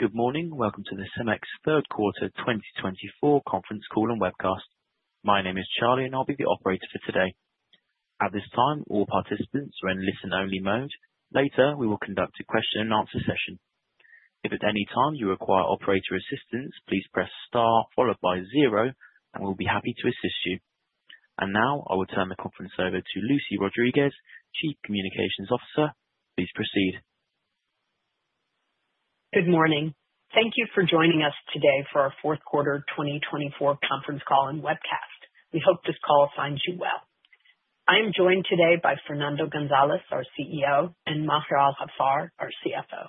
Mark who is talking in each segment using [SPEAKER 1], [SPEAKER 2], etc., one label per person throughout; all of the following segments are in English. [SPEAKER 1] Good morning. Welcome to the CEMEX Third Quarter 2024 Conference Call and Webcast. My name is Charlie, and I'll be the operator for today. At this time, all participants are in listen-only mode. Later, we will conduct a question-and-answer session. If at any time you require operator assistance, please press star followed by zero, and we'll be happy to assist you. And now, I will turn the conference over to Lucy Rodriguez, Chief Communications Officer. Please proceed.
[SPEAKER 2] Good morning. Thank you for joining us today for our Fourth Quarter 2024 Conference Call and webcast. We hope this call finds you well. I am joined today by Fernando González, our CEO, and Maher Al-Haffar, our CFO.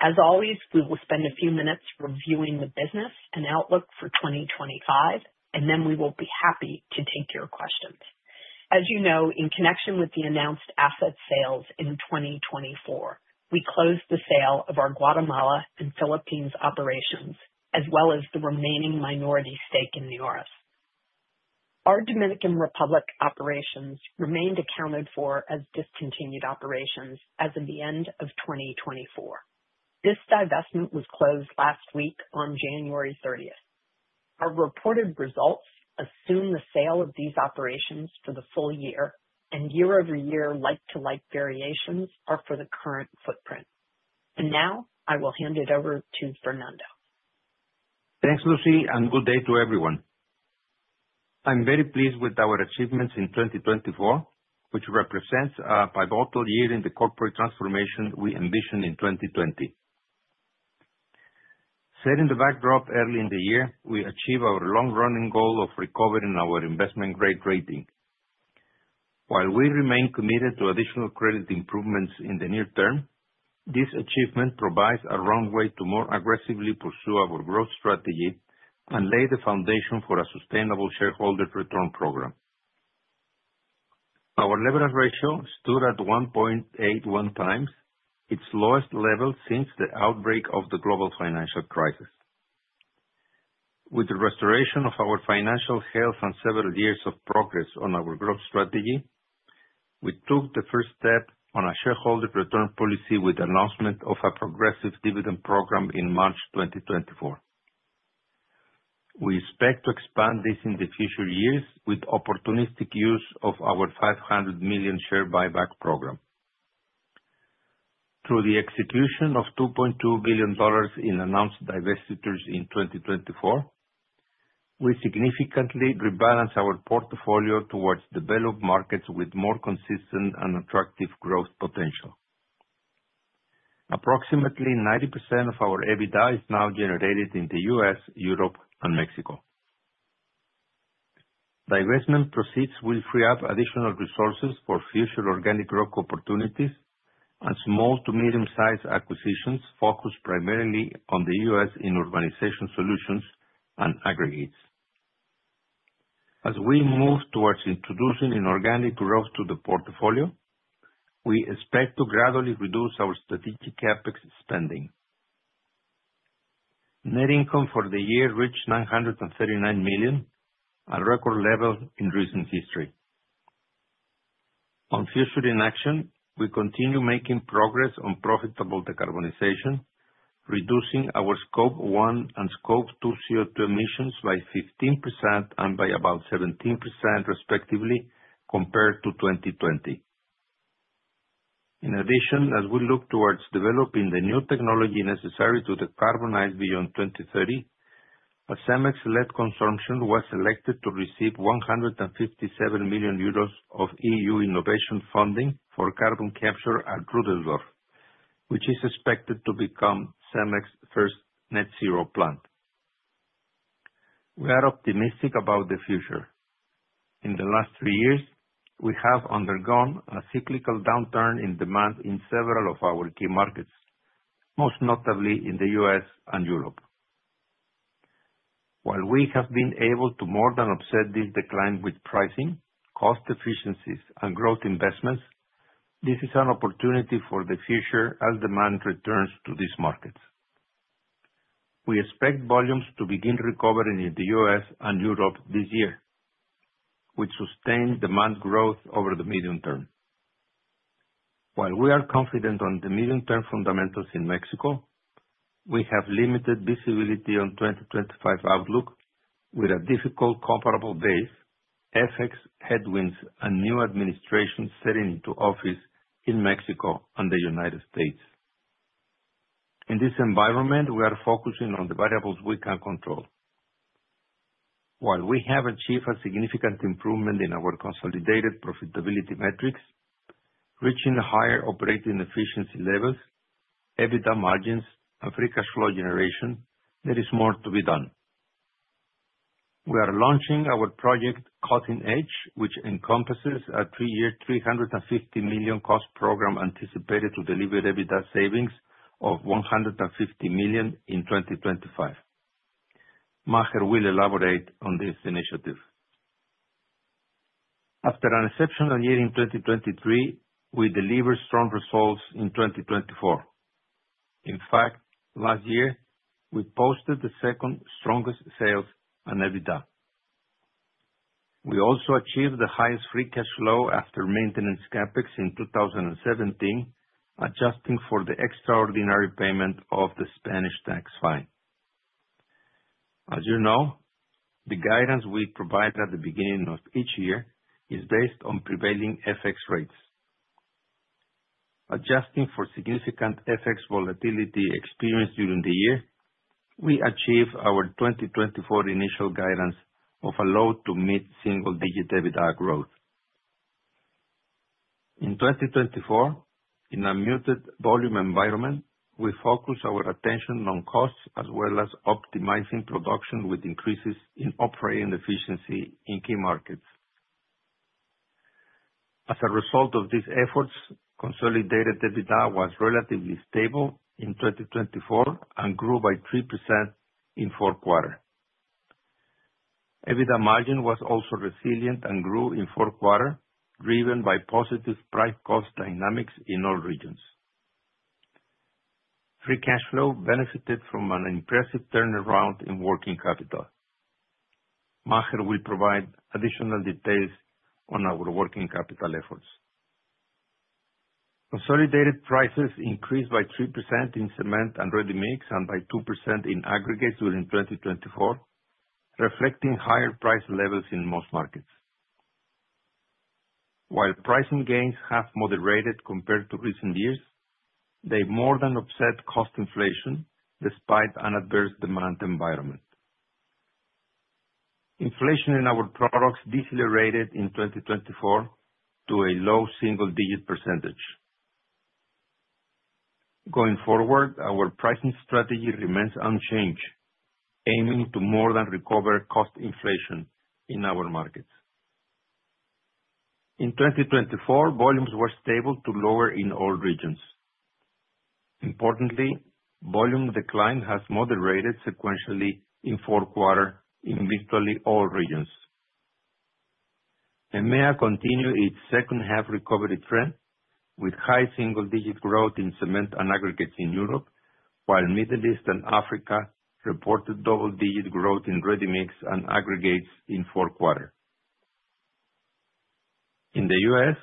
[SPEAKER 2] As always, we will spend a few minutes reviewing the business and outlook for 2025, and then we will be happy to take your questions. As you know, in connection with the announced asset sales in 2024, we closed the sale of our Guatemala and Philippines operations, as well as the remaining minority stake in Neoris. Our Dominican Republic operations remained accounted for as discontinued operations as of the end of 2024. This divestment was closed last week on January 30th. Our reported results assume the sale of these operations for the full year, and year-over-year like-for-like variations are for the current footprint. And now, I will hand it over to Fernando.
[SPEAKER 3] Thanks, Lucy, and good day to everyone. I'm very pleased with our achievements in 2024, which represents a pivotal year in the corporate transformation we envisioned in 2020. Set in the backdrop early in the year, we achieved our long-running goal of recovering our investment-grade rating. While we remain committed to additional credit improvements in the near term, this achievement provides a runway to more aggressively pursue our growth strategy and lay the foundation for a sustainable shareholder return program. Our leverage ratio stood at 1.81 times its lowest level since the outbreak of the global financial crisis. With the restoration of our financial health and several years of progress on our growth strategy, we took the first step on our shareholder return policy with the announcement of a progressive dividend program in March 2024. We expect to expand this in the future years with opportunistic use of our $500 million share buyback program. Through the execution of $2.2 billion in announced divestitures in 2024, we significantly rebalanced our portfolio towards developed markets with more consistent and attractive growth potential. Approximately 90% of our EBITDA is now generated in the U.S., Europe, and Mexico. Divestment proceeds will free up additional resources for future organic growth opportunities and small to medium-sized acquisitions focused primarily on the U.S. in Urbanization Solutions and aggregates. As we move towards introducing inorganic growth to the portfolio, we expect to gradually reduce our strategic CapEx spending. Net income for the year reached $939 million, a record level in recent history. On future actions, we continue making progress on profitable decarbonization, reducing our Scope 1 and Scope 2 CO2 emissions by 15% and by about 17%, respectively, compared to 2020. In addition, as we look towards developing the new technology necessary to decarbonize beyond 2030, a CEMEX-led consortium was selected to receive 157 million euros of EU innovation funding for carbon capture at Rüdersdorf, which is expected to become CEMEX's first net-zero plant. We are optimistic about the future. In the last three years, we have undergone a cyclical downturn in demand in several of our key markets, most notably in the U.S. and Europe. While we have been able to more than offset this decline with pricing, cost efficiencies, and growth investments, this is an opportunity for the future as demand returns to these markets. We expect volumes to begin recovering in the U.S. and Europe this year, which sustains demand growth over the medium term. While we are confident on the medium-term fundamentals in Mexico, we have limited visibility on the 2025 outlook with a difficult comparable base: FX headwinds and new administrations setting into office in Mexico and the United States. In this environment, we are focusing on the variables we can control. While we have achieved a significant improvement in our consolidated profitability metrics, reaching higher operating efficiency levels, EBITDA margins, and free cash flow generation, there is more to be done. We are launching our Project Cutting Edge, which encompasses a three-year $350 million cost program anticipated to deliver EBITDA savings of $150 million in 2025. Maher will elaborate on this initiative. After an exceptional year in 2023, we delivered strong results in 2024. In fact, last year, we posted the second-strongest sales and EBITDA. We also achieved the highest free cash flow after maintenance CapEx in 2017, adjusting for the extraordinary payment of the Spanish tax fine. As you know, the guidance we provide at the beginning of each year is based on prevailing FX rates. Adjusting for significant FX volatility experienced during the year, we achieved our 2024 initial guidance of a low to mid-single-digit EBITDA growth. In 2024, in a muted volume environment, we focused our attention on costs as well as optimizing production with increases in operating efficiency in key markets. As a result of these efforts, consolidated EBITDA was relatively stable in 2024 and grew by 3% in the fourth quarter. EBITDA margin was also resilient and grew in the fourth quarter, driven by positive price-cost dynamics in all regions. Free cash flow benefited from an impressive turnaround in working capital. Maher will provide additional details on our working capital efforts. Consolidated prices increased by 3% in cement and ready-mix and by 2% in aggregates during 2024, reflecting higher price levels in most markets. While pricing gains have moderated compared to recent years, they more than offset cost inflation despite an adverse demand environment. Inflation in our products decelerated in 2024 to a low single-digit %. Going forward, our pricing strategy remains unchanged, aiming to more than recover cost inflation in our markets. In 2024, volumes were stable to lower in all regions. Importantly, volume decline has moderated sequentially in the fourth quarter in virtually all regions. EMEA continued its second-half recovery trend, with high single-digit growth in cement and aggregates in Europe, while the Middle East and Africa reported double-digit growth in ready-mix and aggregates in the fourth quarter. In the U.S.,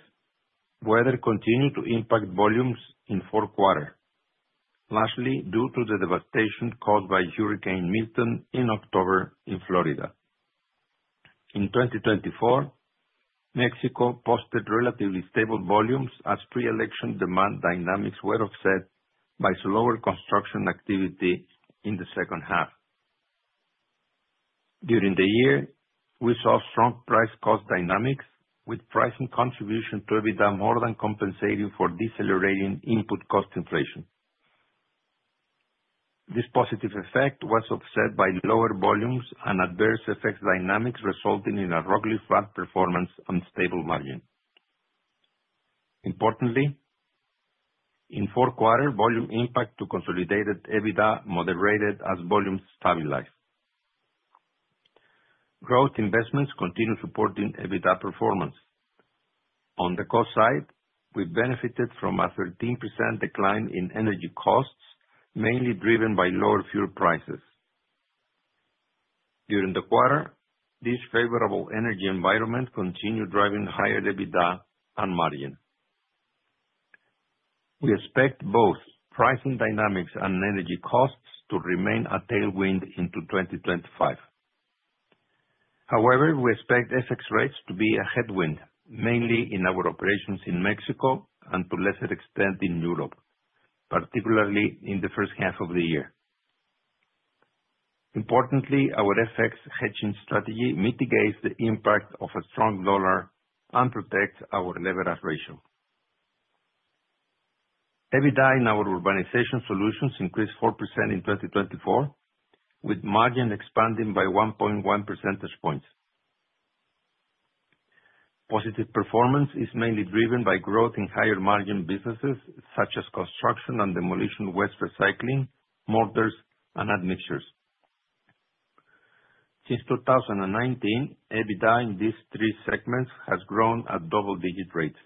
[SPEAKER 3] weather continued to impact volumes in the fourth quarter, largely due to the devastation caused by Hurricane Milton in October in Florida. In 2024, Mexico posted relatively stable volumes as pre-election demand dynamics were offset by slower construction activity in the second half. During the year, we saw strong price-cost dynamics, with pricing contributions to EBITDA more than compensating for decelerating input cost inflation. This positive effect was offset by lower volumes and adverse FX dynamics resulting in a roughly flat performance and stable margin. Importantly, in the fourth quarter, volume impact to consolidated EBITDA moderated as volumes stabilized. Growth investments continued supporting EBITDA performance. On the cost side, we benefited from a 13% decline in energy costs, mainly driven by lower fuel prices. During the quarter, this favorable energy environment continued driving higher EBITDA and margin. We expect both pricing dynamics and energy costs to remain a tailwind into 2025. However, we expect FX rates to be a headwind, mainly in our operations in Mexico and to a lesser extent in Europe, particularly in the first half of the year. Importantly, our FX hedging strategy mitigates the impact of a strong dollar and protects our leverage ratio. EBITDA in our Urbanization Solutions increased 4% in 2024, with margin expanding by 1.1 percentage points. Positive performance is mainly driven by growth in higher-margin businesses such as construction and demolition waste recycling, mortars, and admixtures. Since 2019, EBITDA in these three segments has grown at double-digit rates.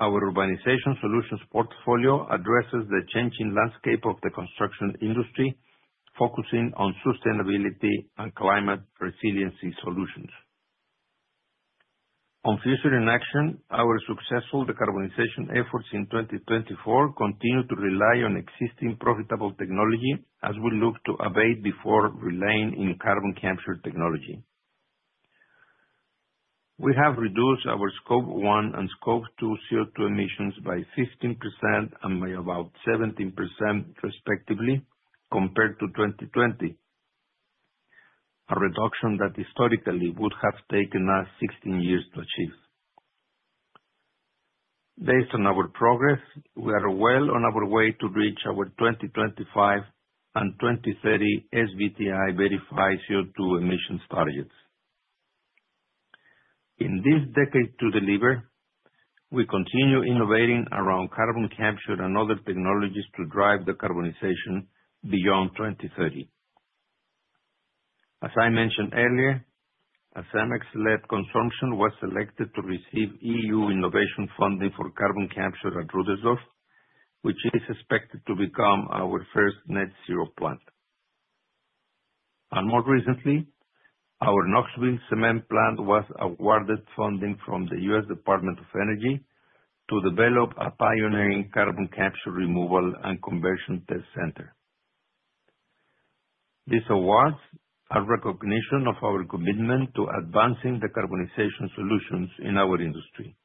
[SPEAKER 3] Our Urbanization Solutions portfolio addresses the changing landscape of the construction industry, focusing on sustainability and climate resiliency solutions. On future action, our successful decarbonization efforts in 2024 continue to rely on existing profitable technology as we look to abate before relying on carbon capture technology. We have reduced our Scope 1 and Scope 2 CO2 emissions by 15% and by about 17%, respectively, compared to 2020, a reduction that historically would have taken us 16 years to achieve. Based on our progress, we are well on our way to reach our 2025 and 2030 SBTi verified CO2 emissions targets. In this decade to deliver, we continue innovating around carbon capture and other technologies to drive decarbonization beyond 2030. As I mentioned earlier, a CEMEX-led consortium was selected to receive EU innovation funding for carbon capture at Rüdersdorf, which is expected to become our first net-zero plant. More recently, our Knoxville cement plant was awarded funding from the U.S. Department of Energy to develop a pioneering carbon capture removal and conversion test center. These awards are recognition of our commitment to advancing decarbonization solutions in our industry.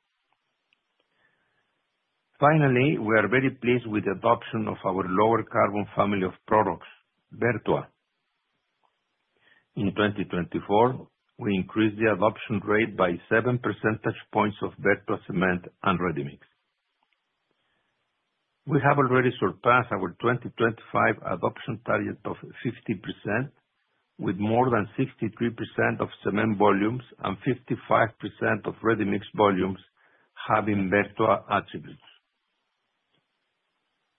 [SPEAKER 3] Finally, we are very pleased with the adoption of our lower-carbon family of products, Vertua. In 2024, we increased the adoption rate by 7 percentage points of Vertua cement and ready-mix. We have already surpassed our 2025 adoption target of 50%, with more than 63% of cement volumes and 55% of ready-mix volumes having Vertua attributes.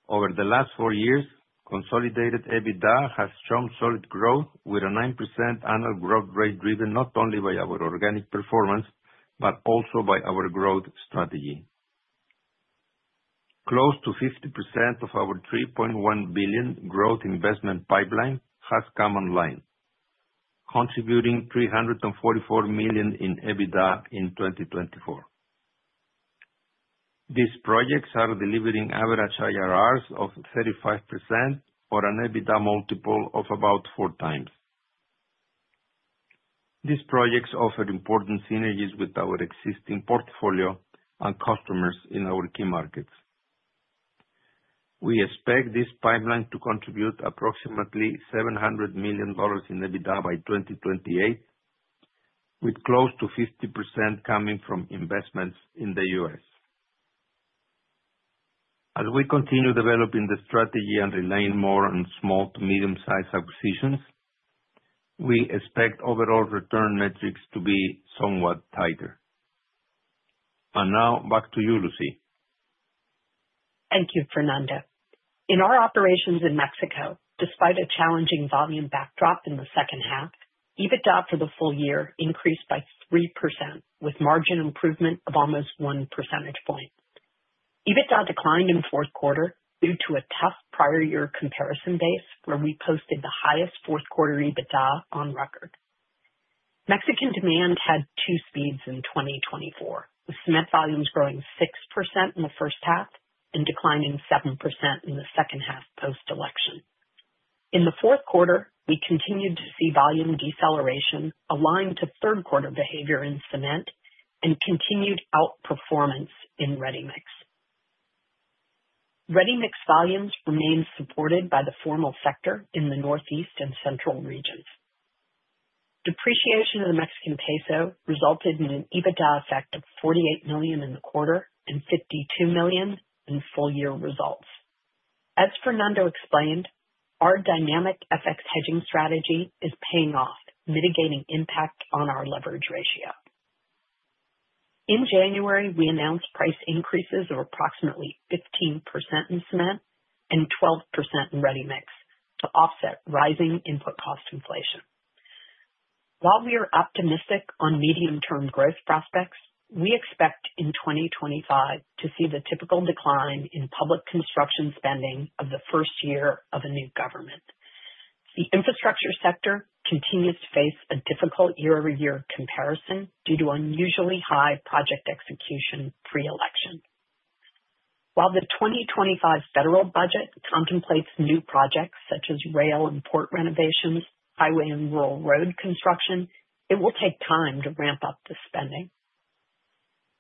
[SPEAKER 3] Over the last four years, consolidated EBITDA has shown solid growth, with a 9% annual growth rate driven not only by our organic performance but also by our growth strategy. Close to 50% of our $3.1 billion growth investment pipeline has come online, contributing $344 million in EBITDA in 2024. These projects are delivering average IRRs of 35% or an EBITDA multiple of about four times. These projects offer important synergies with our existing portfolio and customers in our key markets. We expect this pipeline to contribute approximately $700 million in EBITDA by 2028, with close to 50% coming from investments in the US. As we continue developing the strategy and relying more on small to medium-sized acquisitions, we expect overall return metrics to be somewhat tighter, and now, back to you, Lucy.
[SPEAKER 2] Thank you, Fernando. In our operations in Mexico, despite a challenging volume backdrop in the second half, EBITDA for the full year increased by 3%, with margin improvement of almost one percentage point. EBITDA declined in the fourth quarter due to a tough prior-year comparison base, where we posted the highest fourth-quarter EBITDA on record. Mexican demand had two speeds in 2024, with cement volumes growing 6% in the first half and declining 7% in the second half post-election. In the fourth quarter, we continued to see volume deceleration aligned to third-quarter behavior in cement and continued outperformance in ready-mix. Ready-mix volumes remained supported by the formal sector in the Northeast and Central regions. Depreciation of the Mexican peso resulted in an EBITDA effect of $48 million in the quarter and $52 million in full-year results. As Fernando explained, our dynamic FX hedging strategy is paying off, mitigating impact on our leverage ratio. In January, we announced price increases of approximately 15% in cement and 12% in ready-mix to offset rising input cost inflation. While we are optimistic on medium-term growth prospects, we expect in 2025 to see the typical decline in public construction spending of the first year of a new government. The infrastructure sector continues to face a difficult year-over-year comparison due to unusually high project execution pre-election. While the 2025 federal budget contemplates new projects such as rail and port renovations, highway and rural road construction. It will take time to ramp up the spending.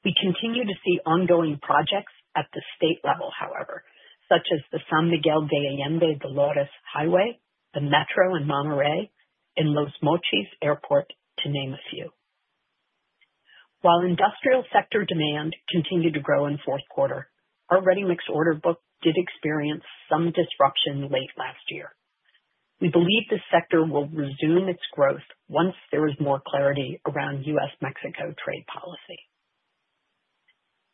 [SPEAKER 2] We continue to see ongoing projects at the state level, however, such as the San Miguel de Allende-Dolores highway, the Metro in Monterrey, and Los Mochis airport, to name a few. While industrial sector demand continued to grow in the fourth quarter, our ready-mix order book did experience some disruption late last year. We believe this sector will resume its growth once there is more clarity around U.S.-Mexico trade policy.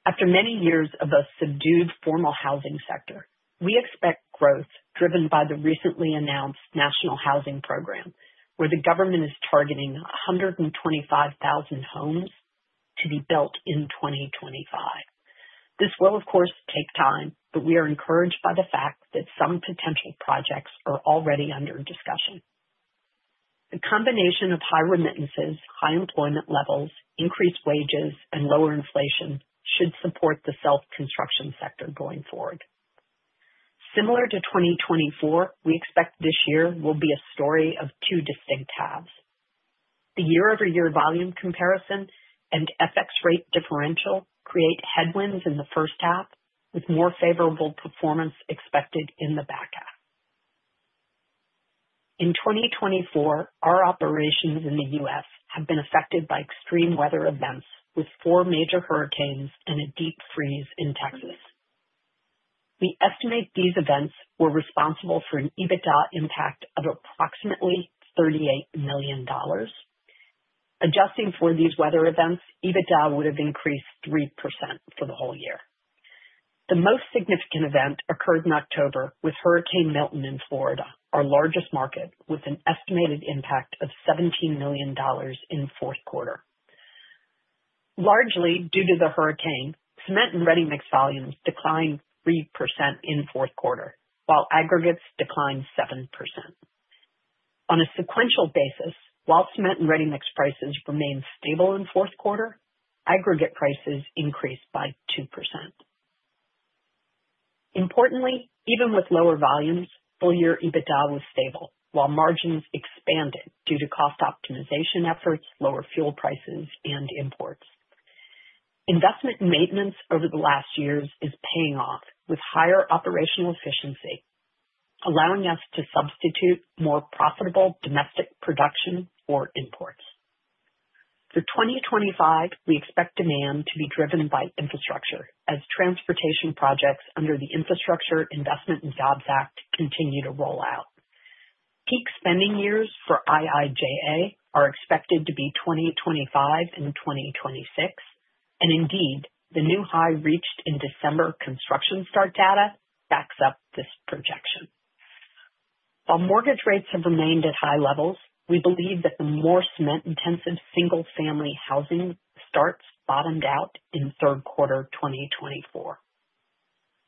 [SPEAKER 2] After many years of a subdued formal housing sector, we expect growth driven by the recently announced national housing program, where the government is targeting 125,000 homes to be built in 2025. This will, of course, take time, but we are encouraged by the fact that some potential projects are already under discussion. The combination of high remittances, high employment levels, increased wages, and lower inflation should support the self-construction sector going forward. Similar to 2024, we expect this year will be a story of two distinct halves. The year-over-year volume comparison and FX rate differential create headwinds in the first half, with more favorable performance expected in the back half. In 2024, our operations in the U.S. have been affected by extreme weather events, with four major hurricanes and a deep freeze in Texas. We estimate these events were responsible for an EBITDA impact of approximately $38 million. Adjusting for these weather events, EBITDA would have increased 3% for the whole year. The most significant event occurred in October with Hurricane Milton in Florida, our largest market, with an estimated impact of $17 million in the fourth quarter. Largely due to the hurricane, cement and ready-mix volumes declined 3% in the fourth quarter, while aggregates declined 7%. On a sequential basis, while cement and ready-mix prices remained stable in the fourth quarter, aggregate prices increased by 2%. Importantly, even with lower volumes, full-year EBITDA was stable, while margins expanded due to cost optimization efforts, lower fuel prices, and imports. Investment and maintenance over the last years is paying off, with higher operational efficiency allowing us to substitute more profitable domestic production for imports. For 2025, we expect demand to be driven by infrastructure, as transportation projects under the Infrastructure Investment and Jobs Act continue to roll out. Peak spending years for IIJA are expected to be 2025 and 2026, and indeed, the new high reached in December construction start data backs up this projection. While mortgage rates have remained at high levels, we believe that the more cement-intensive single-family housing starts bottomed out in the third quarter of 2024.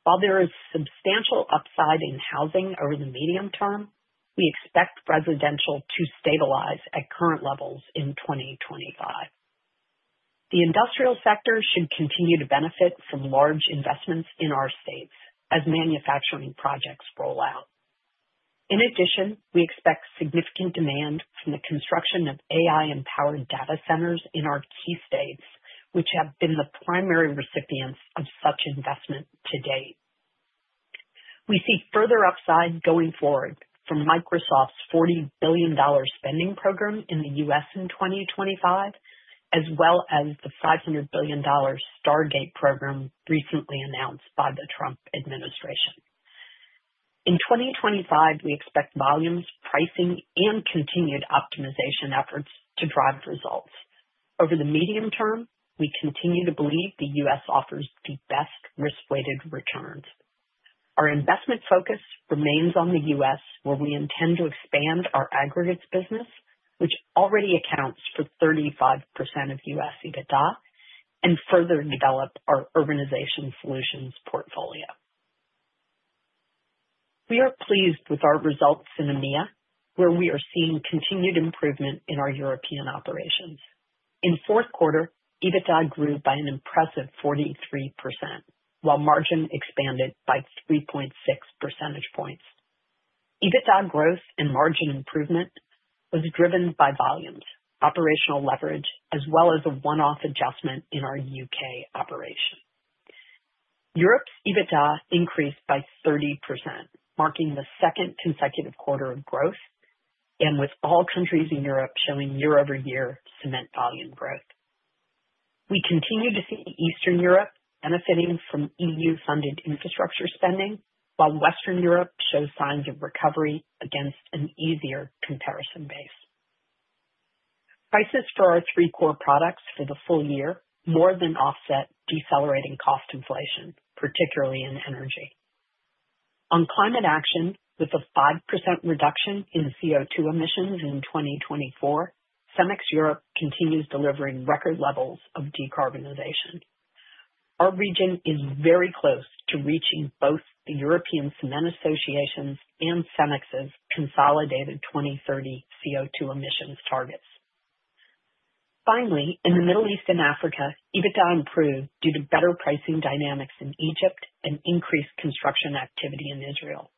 [SPEAKER 2] While there is substantial upside in housing over the medium term, we expect residential to stabilize at current levels in 2025. The industrial sector should continue to benefit from large investments in our states as manufacturing projects roll out. In addition, we expect significant demand from the construction of AI-empowered data centers in our key states, which have been the primary recipients of such investment to date. We see further upside going forward from Microsoft's $40 billion spending program in the U.S. in 2025, as well as the $500 billion Stargate program recently announced by the Trump administration. In 2025, we expect volumes, pricing, and continued optimization efforts to drive results. Over the medium term, we continue to believe the U.S. offers the best risk-weighted returns. Our investment focus remains on the U.S., where we intend to expand our aggregates business, which already accounts for 35% of U.S. EBITDA, and further develop our urbanization solutions portfolio. We are pleased with our results in EMEA, where we are seeing continued improvement in our European operations. In the fourth quarter, EBITDA grew by an impressive 43%, while margin expanded by 3.6 percentage points. EBITDA growth and margin improvement was driven by volumes, operational leverage, as well as a one-off adjustment in our U.K. operation. Europe's EBITDA increased by 30%, marking the second consecutive quarter of growth, and with all countries in Europe showing year-over-year cement volume growth. We continue to see Eastern Europe benefiting from EU-funded infrastructure spending, while Western Europe shows signs of recovery against an easier comparison base. Prices for our three core products for the full year more than offset decelerating cost inflation, particularly in energy. On climate action, with a 5% reduction in CO2 emissions in 2024, CEMEX Europe continues delivering record levels of decarbonization. Our region is very close to reaching both the European Cement Association's and CEMEX's consolidated 2030 CO2 emissions targets. Finally, in the Middle East and Africa, EBITDA improved due to better pricing dynamics in Egypt and increased construction activity in Israel.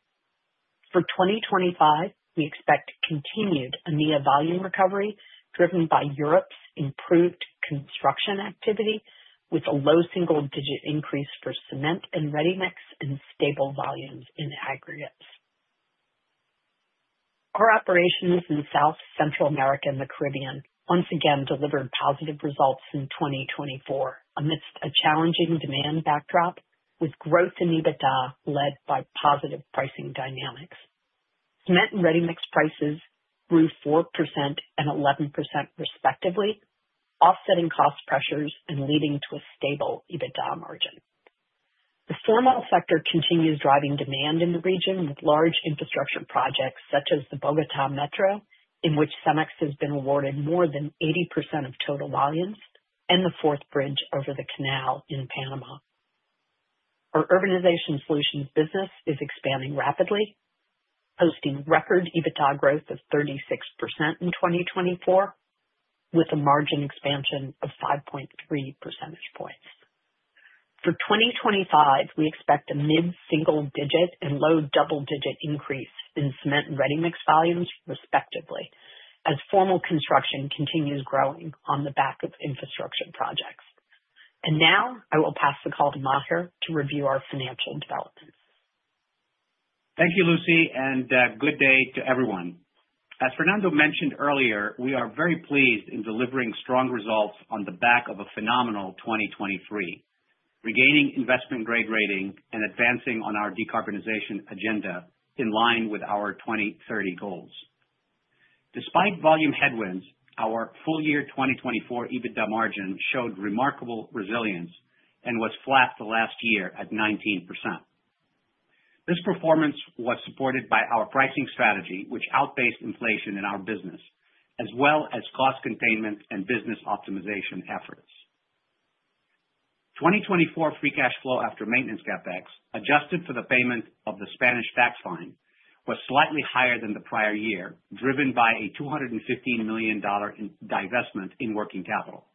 [SPEAKER 2] For 2025, we expect continued EMEA volume recovery driven by Europe's improved construction activity, with a low single-digit increase for cement and ready-mix and stable volumes in aggregates. Our operations in South, Central America, and the Caribbean once again delivered positive results in 2024 amidst a challenging demand backdrop, with growth in EBITDA led by positive pricing dynamics. Cement and ready-mix prices grew 4% and 11% respectively, offsetting cost pressures and leading to a stable EBITDA margin. The formal sector continues driving demand in the region with large infrastructure projects such as the Bogotá Metro, in which CEMEX has been awarded more than 80% of total volumes, and the Fourth Bridge over the Canal in Panama. Our Urbanization Solutions business is expanding rapidly, posting record EBITDA growth of 36% in 2024, with a margin expansion of 5.3 percentage points. For 2025, we expect a mid-single-digit and low double-digit increase in cement and ready-mix volumes, respectively, as formal construction continues growing on the back of infrastructure projects. And now, I will pass the call to Maher to review our financial developments.
[SPEAKER 4] Thank you, Lucy, and good day to everyone. As Fernando mentioned earlier, we are very pleased in delivering strong results on the back of a phenomenal 2023, regaining investment-grade rating and advancing on our decarbonization agenda in line with our 2030 goals. Despite volume headwinds, our full-year 2024 EBITDA margin showed remarkable resilience and was flat the last year at 19%. This performance was supported by our pricing strategy, which outpaced inflation in our business, as well as cost containment and business optimization efforts. 2024 free cash flow after maintenance CapEx, adjusted for the payment of the Spanish tax fine, was slightly higher than the prior year, driven by a $215 million divestment in working capital.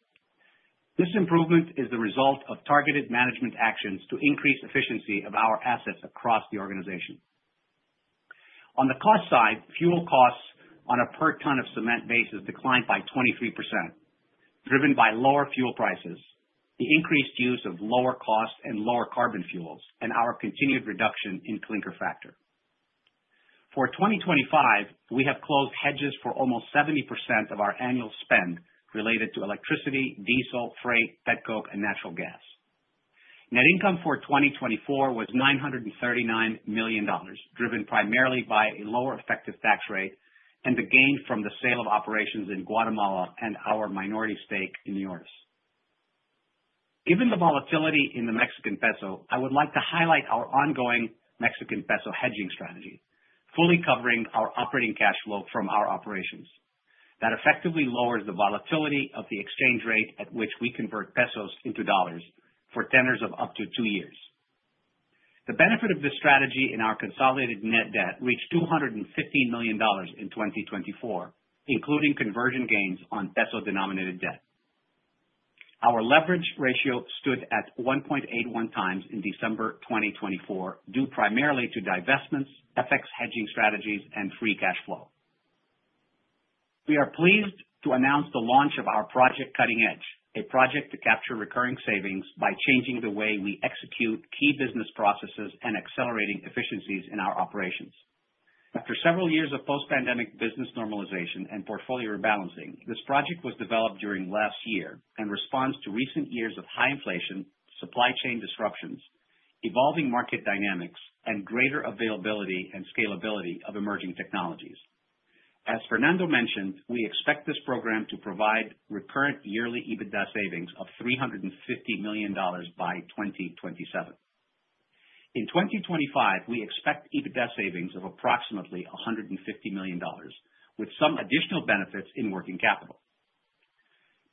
[SPEAKER 4] This improvement is the result of targeted management actions to increase efficiency of our assets across the organization. On the cost side, fuel costs on a per ton of cement basis declined by 23%, driven by lower fuel prices, the increased use of lower-cost and lower-carbon fuels, and our continued reduction in clinker factor. For 2025, we have closed hedges for almost 70% of our annual spend related to electricity, diesel, freight, petcoke, and natural gas. Net income for 2024 was $939 million, driven primarily by a lower effective tax rate and the gain from the sale of operations in Guatemala and our minority stake in the U.S. Given the volatility in the Mexican peso, I would like to highlight our ongoing Mexican peso hedging strategy, fully covering our operating cash flow from our operations. That effectively lowers the volatility of the exchange rate at which we convert pesos into dollars for tenors of up to two years. The benefit of this strategy in our consolidated net debt reached $215 million in 2024, including conversion gains on peso-denominated debt. Our leverage ratio stood at 1.81 times in December 2024, due primarily to divestments, FX hedging strategies, and free cash flow. We are pleased to announce the launch of our Project Cutting Edge, a project to capture recurring savings by changing the way we execute key business processes and accelerating efficiencies in our operations. After several years of post-pandemic business normalization and portfolio rebalancing, this project was developed during last year and responds to recent years of high inflation, supply chain disruptions, evolving market dynamics, and greater availability and scalability of emerging technologies. As Fernando mentioned, we expect this program to provide recurrent yearly EBITDA savings of $350 million by 2027. In 2025, we expect EBITDA savings of approximately $150 million, with some additional benefits in working capital.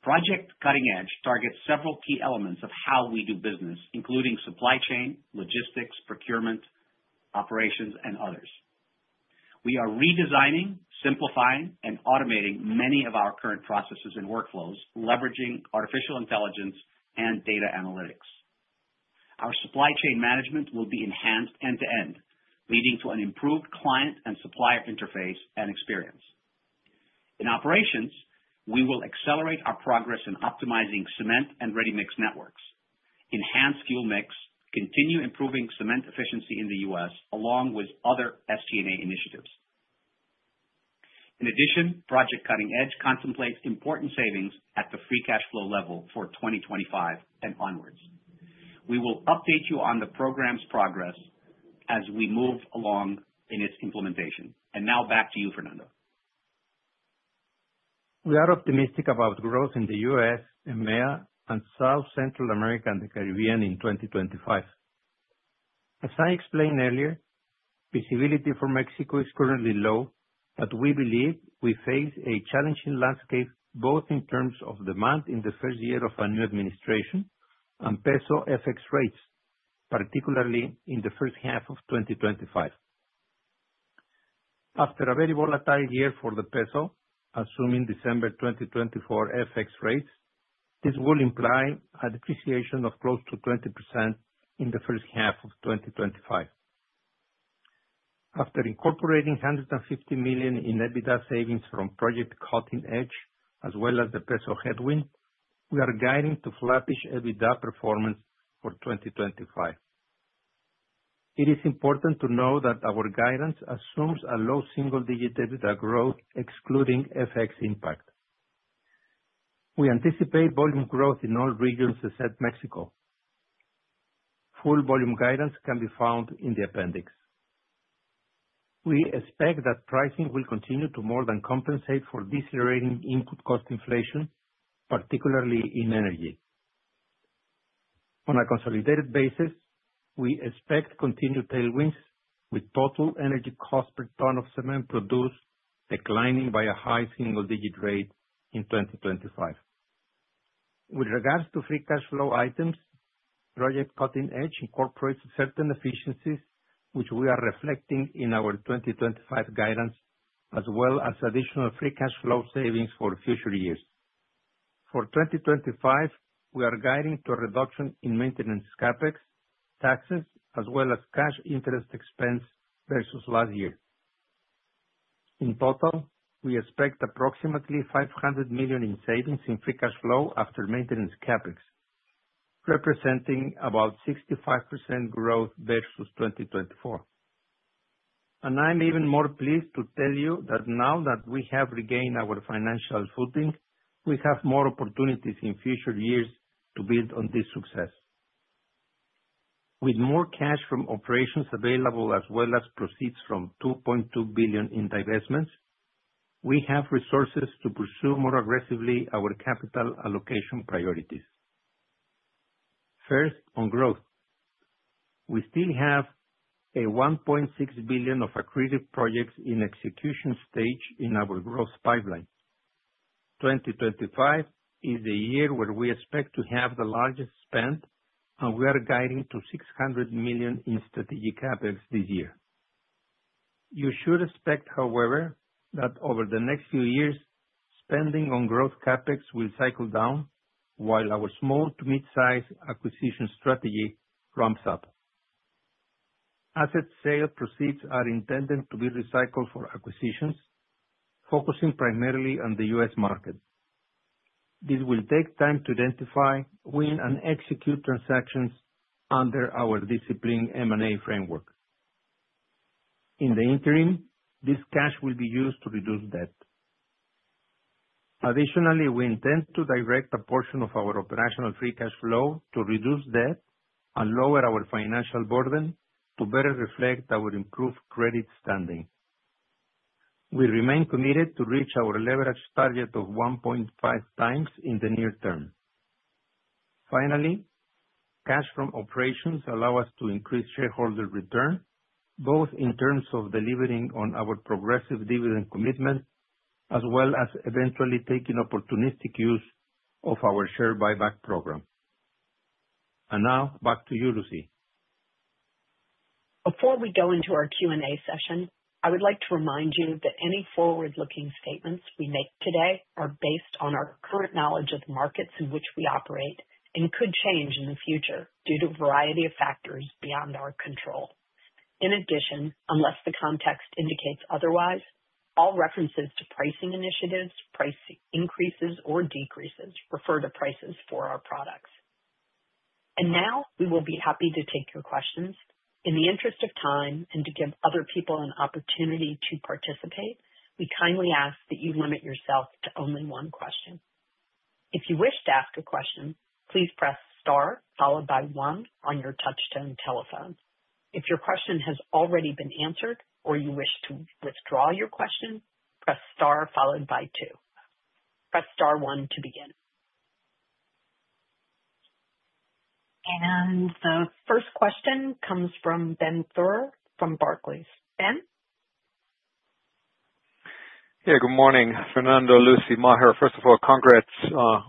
[SPEAKER 4] Project Cutting Edge targets several key elements of how we do business, including supply chain, logistics, procurement, operations, and others. We are redesigning, simplifying, and automating many of our current processes and workflows, leveraging artificial intelligence and data analytics. Our supply chain management will be enhanced end-to-end, leading to an improved client and supplier interface and experience. In operations, we will accelerate our progress in optimizing cement and ready-mix networks, enhance fuel mix, and continue improving cement efficiency in the U.S., along with other SG&A initiatives. In addition, Project Cutting Edge contemplates important savings at the free cash flow level for 2025 and onwards. We will update you on the program's progress as we move along in its implementation, and now, back to you, Fernando.
[SPEAKER 3] We are optimistic about growth in the U.S., EMEA, and South, Central America, and the Caribbean in 2025. As I explained earlier, visibility for Mexico is currently low, but we believe we face a challenging landscape both in terms of demand in the first year of a new administration and peso-FX rates, particularly in the first half of 2025. After a very volatile year for the peso, assuming December 2024 FX rates, this will imply a depreciation of close to 20% in the first half of 2025. After incorporating $150 million in EBITDA savings from Project Cutting Edge, as well as the peso headwind, we are guiding to flattish EBITDA performance for 2025. It is important to know that our guidance assumes a low single-digit EBITDA growth, excluding FX impact. We anticipate volume growth in all regions except Mexico. Full volume guidance can be found in the appendix. We expect that pricing will continue to more than compensate for decelerating input cost inflation, particularly in energy. On a consolidated basis, we expect continued tailwinds, with total energy cost per ton of cement produced declining by a high single-digit rate in 2025. With regards to free cash flow items, Project Cutting Edge incorporates certain efficiencies, which we are reflecting in our 2025 guidance, as well as additional free cash flow savings for future years. For 2025, we are guiding to a reduction in maintenance CapEx, taxes, as well as cash interest expense versus last year. In total, we expect approximately $500 million in savings in free cash flow after maintenance CapEx, representing about 65% growth versus 2024, and I'm even more pleased to tell you that now that we have regained our financial footing, we have more opportunities in future years to build on this success. With more cash from operations available, as well as proceeds from $2.2 billion in divestments, we have resources to pursue more aggressively our capital allocation priorities. First, on growth. We still have a $1.6 billion of accretive projects in execution stage in our growth pipeline. 2025 is the year where we expect to have the largest spend, and we are guiding to $600 million in strategic CapEx this year. You should expect, however, that over the next few years, spending on growth CapEx will cycle down while our small-to-mid-size acquisition strategy ramps up. Asset sale proceeds are intended to be recycled for acquisitions, focusing primarily on the U.S. market. This will take time to identify, win, and execute transactions under our disciplined M&A framework. In the interim, this cash will be used to reduce debt. Additionally, we intend to direct a portion of our operational free cash flow to reduce debt and lower our financial burden to better reflect our improved credit standing. We remain committed to reach our leverage target of 1.5 times in the near term. Finally, cash from operations allows us to increase shareholder return, both in terms of delivering on our progressive dividend commitment, as well as eventually taking opportunistic use of our share buyback program. And now, back to you, Lucy.
[SPEAKER 2] Before we go into our Q&A session, I would like to remind you that any forward-looking statements we make today are based on our current knowledge of the markets in which we operate and could change in the future due to a variety of factors beyond our control. In addition, unless the context indicates otherwise, all references to pricing initiatives, price increases, or decreases refer to prices for our products. Now, we will be happy to take your questions. In the interest of time and to give other people an opportunity to participate, we kindly ask that you limit yourself to only one question. If you wish to ask a question, please press star followed by one on your touch-tone telephone. If your question has already been answered or you wish to withdraw your question, press star followed by two. Press star one to begin. The first question comes from Benjamin Theurer from Barclays. Ben?
[SPEAKER 5] Yeah, good morning. Fernando, Lucy, Maher, first of all, congrats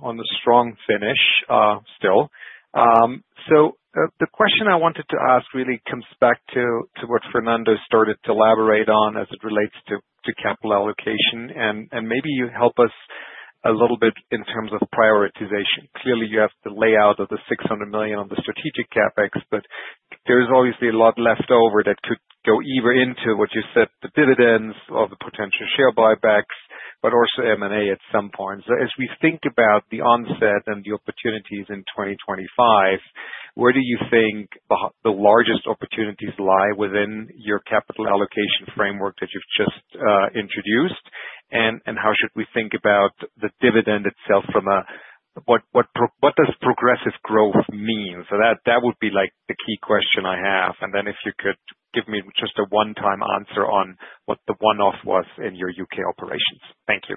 [SPEAKER 5] on the strong finish still. So the question I wanted to ask really comes back to what Fernando started to elaborate on as it relates to capital allocation, and maybe you help us a little bit in terms of prioritization. Clearly, you have the layout of the $600 million on the strategic CapEx, but there is obviously a lot left over that could go either into what you said, the dividends or the potential share buybacks, but also M&A at some point. So as we think about the onset and the opportunities in 2025, where do you think the largest opportunities lie within your capital allocation framework that you've just introduced? And how should we think about the dividend itself from a, what does progressive growth mean? So that would be like the key question I have. And then if you could give me just a one-time answer on what the one-off was in your U.K. operations. Thank you.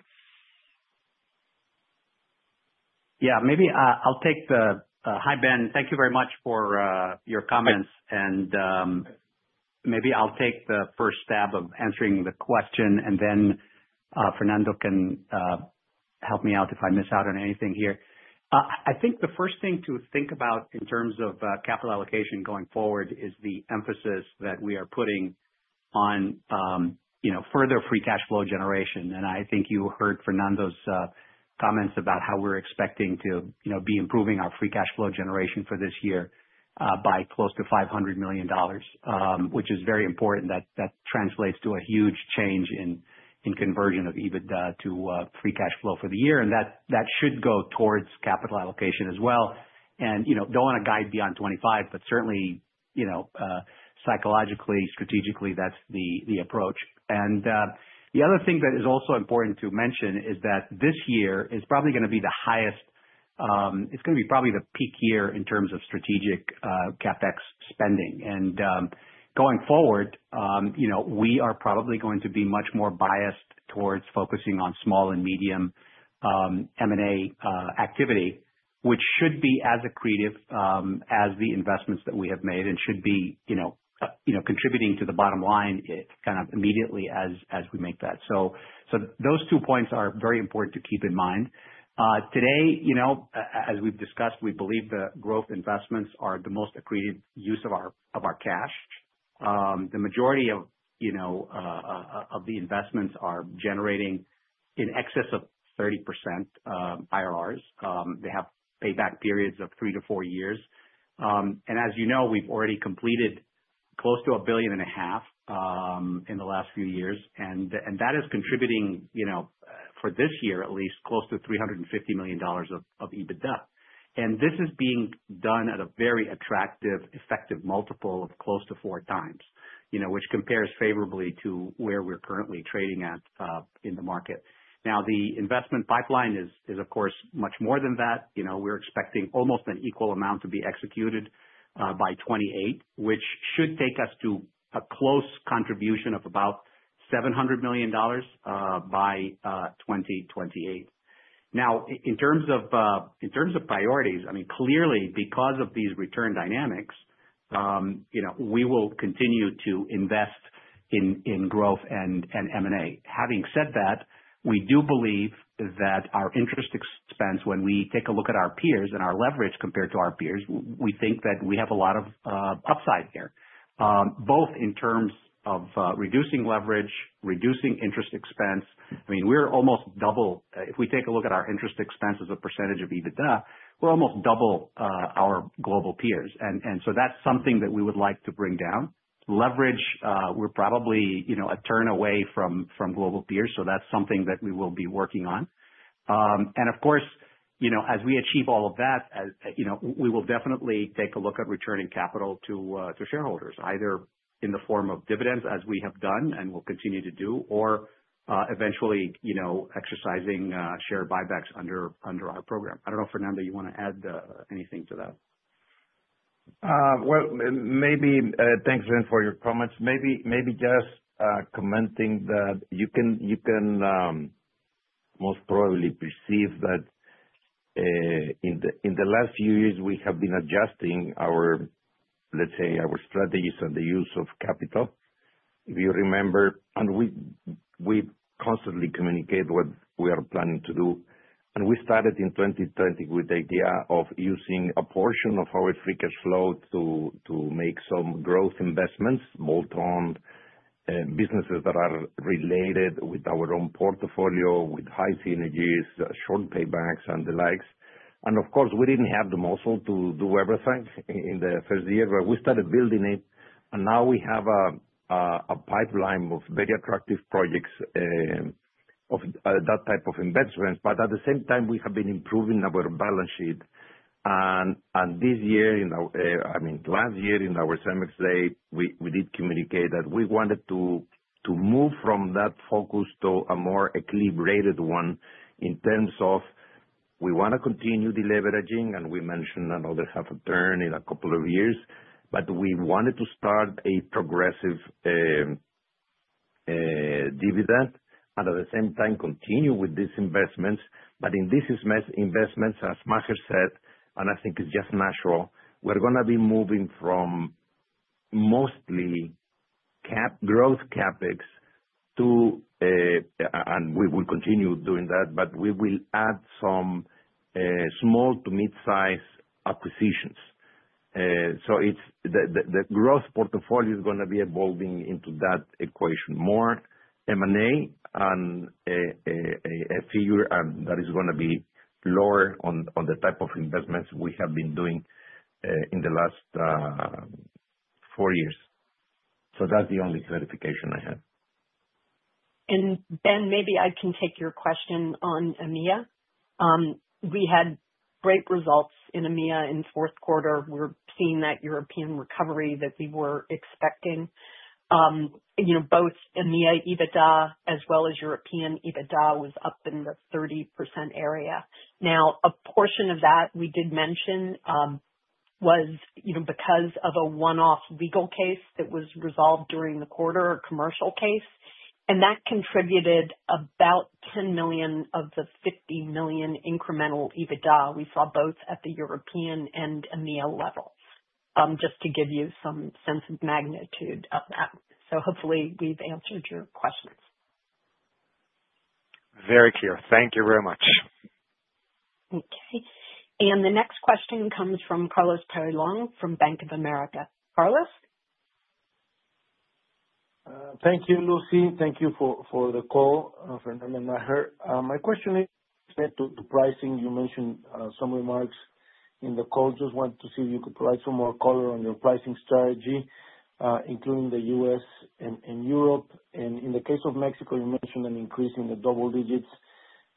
[SPEAKER 4] Yeah, maybe I'll take the mic, Ben. Thank you very much for your comments. And maybe I'll take the first stab at answering the question, and then Fernando can help me out if I miss out on anything here. I think the first thing to think about in terms of capital allocation going forward is the emphasis that we are putting on further free cash flow generation. And I think you heard Fernando's comments about how we're expecting to be improving our free cash flow generation for this year by close to $500 million, which is very important. That translates to a huge change in conversion of EBITDA to free cash flow for the year. And that should go towards capital allocation as well. And don't want to guide beyond 25, but certainly, psychologically, strategically, that's the approach. And the other thing that is also important to mention is that this year is probably going to be the highest it's going to be probably the peak year in terms of strategic CapEx spending. And going forward, we are probably going to be much more biased towards focusing on small and medium M&A activity, which should be as accretive as the investments that we have made and should be contributing to the bottom line kind of immediately as we make that. So those two points are very important to keep in mind. Today, as we've discussed, we believe the growth investments are the most accretive use of our cash. The majority of the investments are generating in excess of 30% IRRs. They have payback periods of three to four years. As you know, we've already completed close to $1.5 billion in the last few years. And that is contributing, for this year at least, close to $350 million of EBITDA. And this is being done at a very attractive, effective multiple of close to four times, which compares favorably to where we're currently trading at in the market. Now, the investment pipeline is, of course, much more than that. We're expecting almost an equal amount to be executed by 2028, which should take us to a close contribution of about $700 million by 2028. Now, in terms of priorities, I mean, clearly, because of these return dynamics, we will continue to invest in growth and M&A. Having said that, we do believe that our interest expense, when we take a look at our peers and our leverage compared to our peers, we think that we have a lot of upside here, both in terms of reducing leverage, reducing interest expense. I mean, we're almost double if we take a look at our interest expense as a percentage of EBITDA, we're almost double our global peers. And so that's something that we would like to bring down. Leverage, we're probably a turn away from global peers. So that's something that we will be working on. And of course, as we achieve all of that, we will definitely take a look at returning capital to shareholders, either in the form of dividends, as we have done and will continue to do, or eventually exercising share buybacks under our program. I don't know, Fernando. You want to add anything to that?
[SPEAKER 3] Well, maybe. Thanks, Ben, for your comments. Maybe just commenting that you can most probably perceive that in the last few years, we have been adjusting our, let's say, our strategies on the use of capital. If you remember, and we constantly communicate what we are planning to do. We started in 2020 with the idea of using a portion of our free cash flow to make some growth investments both on businesses that are related with our own portfolio, with high synergies, short paybacks, and the likes. Of course, we didn't have the muscle to do everything in the first year, but we started building it. Now we have a pipeline of very attractive projects of that type of investments. But at the same time, we have been improving our balance sheet. And this year, I mean, last year in our CEMEX Day, we did communicate that we wanted to move from that focus to a more equilibrated one in terms of we want to continue the deleveraging, and we mentioned another half a turn in a couple of years. But we wanted to start a progressive dividend and at the same time continue with these investments. But in these investments, as Maher said, and I think it's just natural, we're going to be moving from mostly growth CapEx to, and we will continue doing that, but we will add some small to mid-size acquisitions. So the growth portfolio is going to be evolving into that equation more, M&A, and a figure that is going to be lower on the type of investments we have been doing in the last four years. So that's the only clarification I have.
[SPEAKER 2] Ben, maybe I can take your question on EMEA. We had great results in EMEA in fourth quarter. We're seeing that European recovery that we were expecting. Both EMEA EBITDA as well as European EBITDA was up in the 30% area. Now, a portion of that we did mention was because of a one-off legal case that was resolved during the quarter, a commercial case. And that contributed about $10 million of the $50 million incremental EBITDA we saw both at the European and EMEA levels, just to give you some sense of magnitude of that. So hopefully, we've answered your questions.
[SPEAKER 5] Very clear. Thank you very much.
[SPEAKER 2] Okay. And the next question comes from Carlos Peyrelongue from Bank of America. Carlos?
[SPEAKER 6] Thank you, Lucy. Thank you for the call, Fernando and Maher. My question is related to pricing. You mentioned some remarks in the call. Just wanted to see if you could provide some more color on your pricing strategy, including the U.S. and Europe. And in the case of Mexico, you mentioned an increase in the double digits.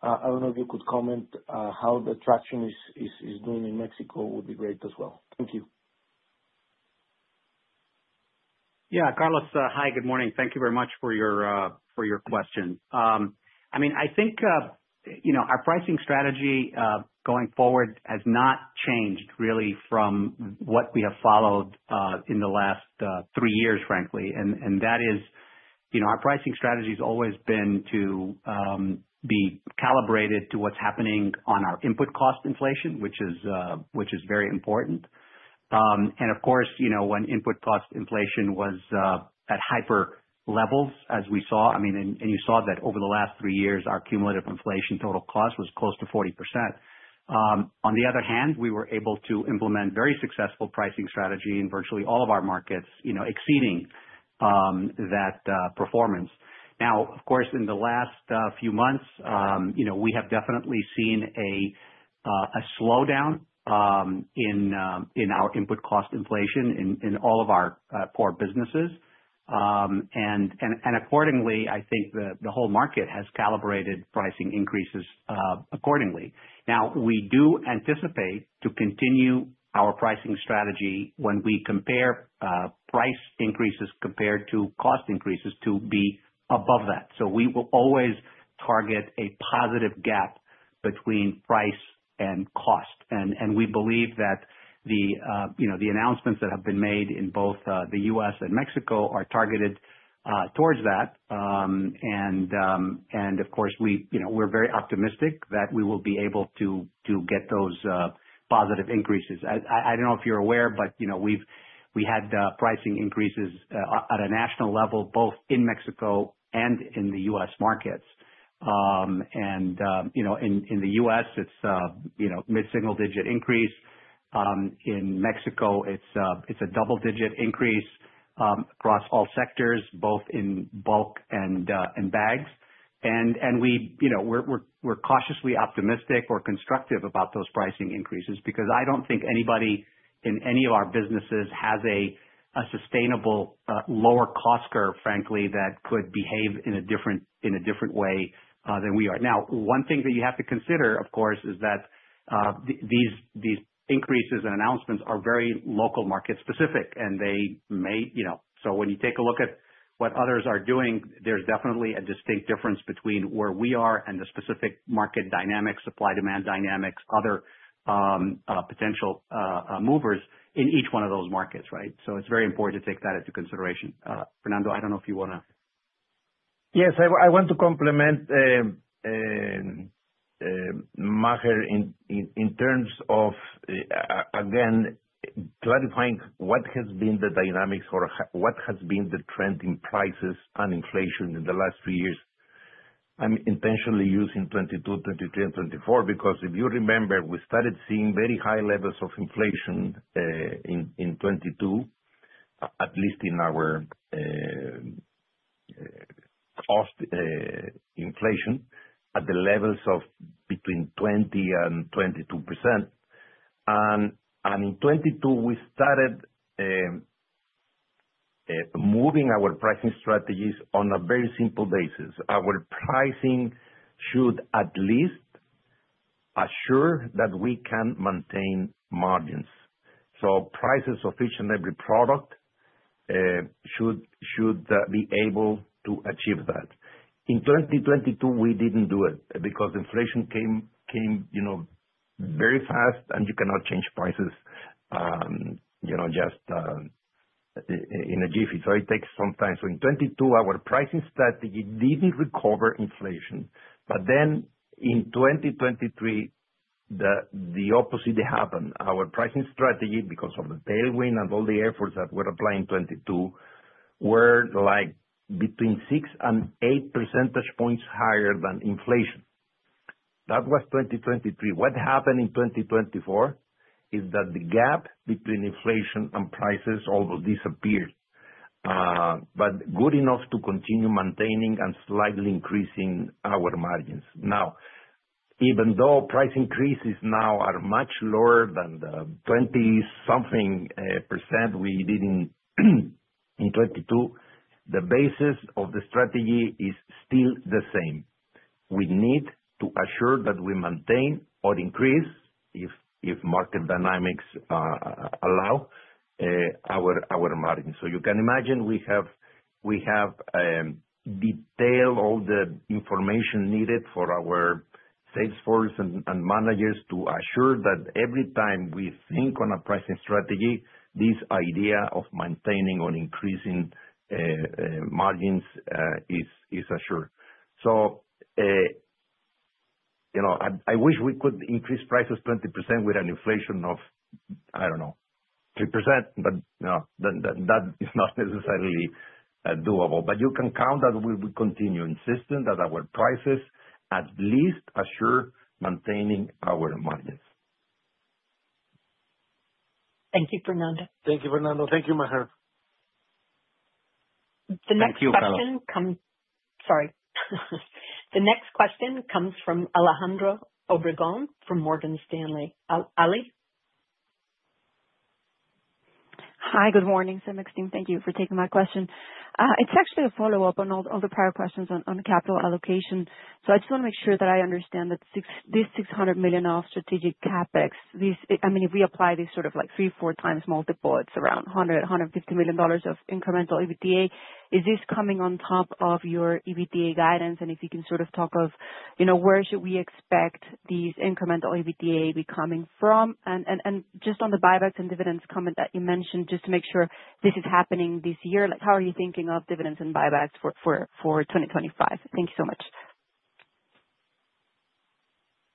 [SPEAKER 6] I don't know if you could comment how the traction is doing in Mexico. It would be great as well. Thank you.
[SPEAKER 4] Yeah, Carlos, hi, good morning. Thank you very much for your question. I mean, I think our pricing strategy going forward has not changed really from what we have followed in the last three years, frankly. And that is our pricing strategy has always been to be calibrated to what's happening on our input cost inflation, which is very important. And of course, when input cost inflation was at hyper levels, as we saw, I mean, and you saw that over the last three years, our cumulative inflation total cost was close to 40%. On the other hand, we were able to implement a very successful pricing strategy in virtually all of our markets, exceeding that performance. Now, of course, in the last few months, we have definitely seen a slowdown in our input cost inflation in all of our core businesses. And accordingly, I think the whole market has calibrated pricing increases accordingly. Now, we do anticipate to continue our pricing strategy when we compare price increases compared to cost increases to be above that. So we will always target a positive gap between price and cost. And we believe that the announcements that have been made in both the U.S. and Mexico are targeted towards that. And of course, we're very optimistic that we will be able to get those positive increases. I don't know if you're aware, but we had pricing increases at a national level, both in Mexico and in the U.S. markets. And in the U.S., it's a mid-single-digit increase. In Mexico, it's a double-digit increase across all sectors, both in bulk and bags. And we're cautiously optimistic or constructive about those pricing increases because I don't think anybody in any of our businesses has a sustainable lower cost curve, frankly, that could behave in a different way than we are. Now, one thing that you have to consider, of course, is that these increases and announcements are very local market-specific. And they may, so when you take a look at what others are doing, there's definitely a distinct difference between where we are and the specific market dynamics, supply-demand dynamics, other potential movers in each one of those markets, right? It's very important to take that into consideration. Fernando, I don't know if you want to.
[SPEAKER 3] Yes, I want to complement Maher in terms of, again, clarifying what has been the dynamics or what has been the trend in prices and inflation in the last few years. I'm intentionally using 2022, 2023, and 2024 because if you remember, we started seeing very high levels of inflation in 2022, at least in our cost inflation, at the levels of between 20% and 22%. And in 2022, we started moving our pricing strategies on a very simple basis. Our pricing should at least assure that we can maintain margins. So prices of each and every product should be able to achieve that. In 2022, we didn't do it because inflation came very fast, and you cannot change prices just in a jiffy. So it takes some time. So in 2022, our pricing strategy didn't recover inflation. But then in 2023, the opposite happened. Our pricing strategy, because of the tailwind and all the efforts that were applied in 2022, were between six and eight percentage points higher than inflation. That was 2023. What happened in 2024 is that the gap between inflation and prices almost disappeared, but good enough to continue maintaining and slightly increasing our margins. Now, even though price increases now are much lower than the 20-something% we did in 2022, the basis of the strategy is still the same. We need to assure that we maintain or increase, if market dynamics allow, our margins. So you can imagine we have detailed all the information needed for our salesforce and managers to assure that every time we think on a pricing strategy, this idea of maintaining or increasing margins is assured. So I wish we could increase prices 20% with an inflation of, I don't know, 3%, but that is not necessarily doable. But you can count that we will continue insisting that our prices at least assure maintaining our margins.
[SPEAKER 2] Thank you, Fernando.
[SPEAKER 6] Thank you, Fernando. Thank you, Maher.
[SPEAKER 2] The next question comes, sorry. The next question comes from Alejandro Obregón from Morgan Stanley. Ali?
[SPEAKER 7] Hi, good morning, CEMEX team. Thank you for taking my question. It's actually a follow-up on all the prior questions on capital allocation. So I just want to make sure that I understand that this $600 million of strategic CapEx, I mean, if we apply this sort of like three, four times multiple, it's around $100-$150 million of incremental EBITDA. Is this coming on top of your EBITDA guidance? If you can sort of talk of where should we expect these incremental EBITDA be coming from? Just on the buybacks and dividends comment that you mentioned, just to make sure this is happening this year, how are you thinking of dividends and buybacks for 2025? Thank you so much.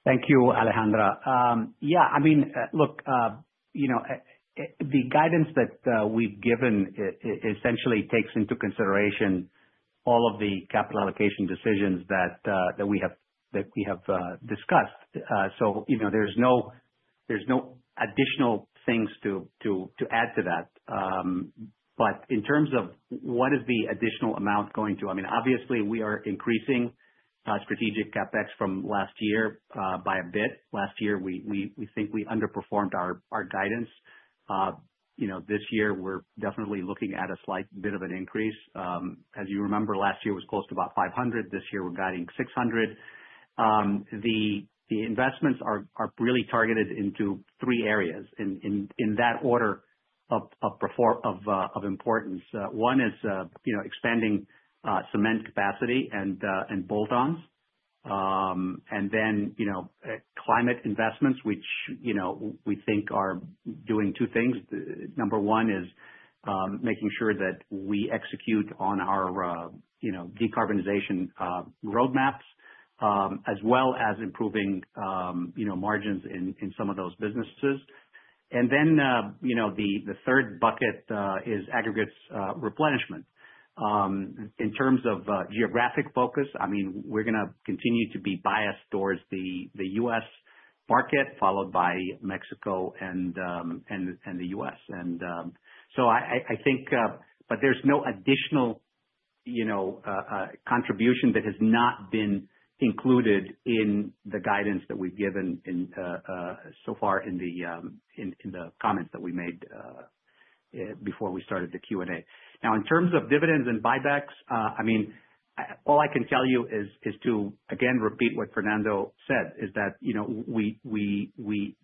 [SPEAKER 4] Thank you, Alejandro. Yeah, I mean, look, the guidance that we've given essentially takes into consideration all of the capital allocation decisions that we have discussed. So there's no additional things to add to that. But in terms of what is the additional amount going to. I mean, obviously, we are increasing strategic CapEx from last year by a bit. Last year, we think we underperformed our guidance. This year, we're definitely looking at a slight bit of an increase. As you remember, last year was close to about 500. This year, we're guiding 600. The investments are really targeted into three areas in that order of importance. One is expanding cement capacity and bolt-ons. And then climate investments, which we think are doing two things. Number one is making sure that we execute on our decarbonization roadmaps, as well as improving margins in some of those businesses. And then the third bucket is aggregates replenishment. In terms of geographic focus, I mean, we're going to continue to be biased towards the U.S. market, followed by Mexico and the U.S. And so I think, but there's no additional contribution that has not been included in the guidance that we've given so far in the comments that we made before we started the Q&A. Now, in terms of dividends and buybacks, I mean, all I can tell you is to, again, repeat what Fernando said, is that we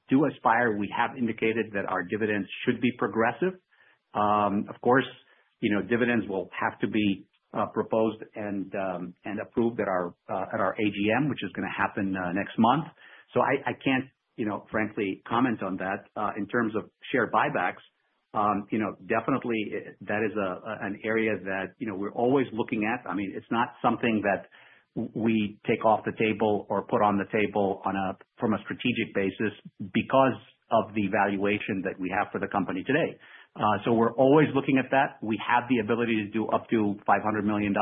[SPEAKER 4] do aspire, we have indicated that our dividends should be progressive. Of course, dividends will have to be proposed and approved at our AGM, which is going to happen next month. So I can't, frankly, comment on that. In terms of share buybacks, definitely, that is an area that we're always looking at. I mean, it's not something that we take off the table or put on the table from a strategic basis because of the valuation that we have for the company today. So we're always looking at that. We have the ability to do up to $500 million,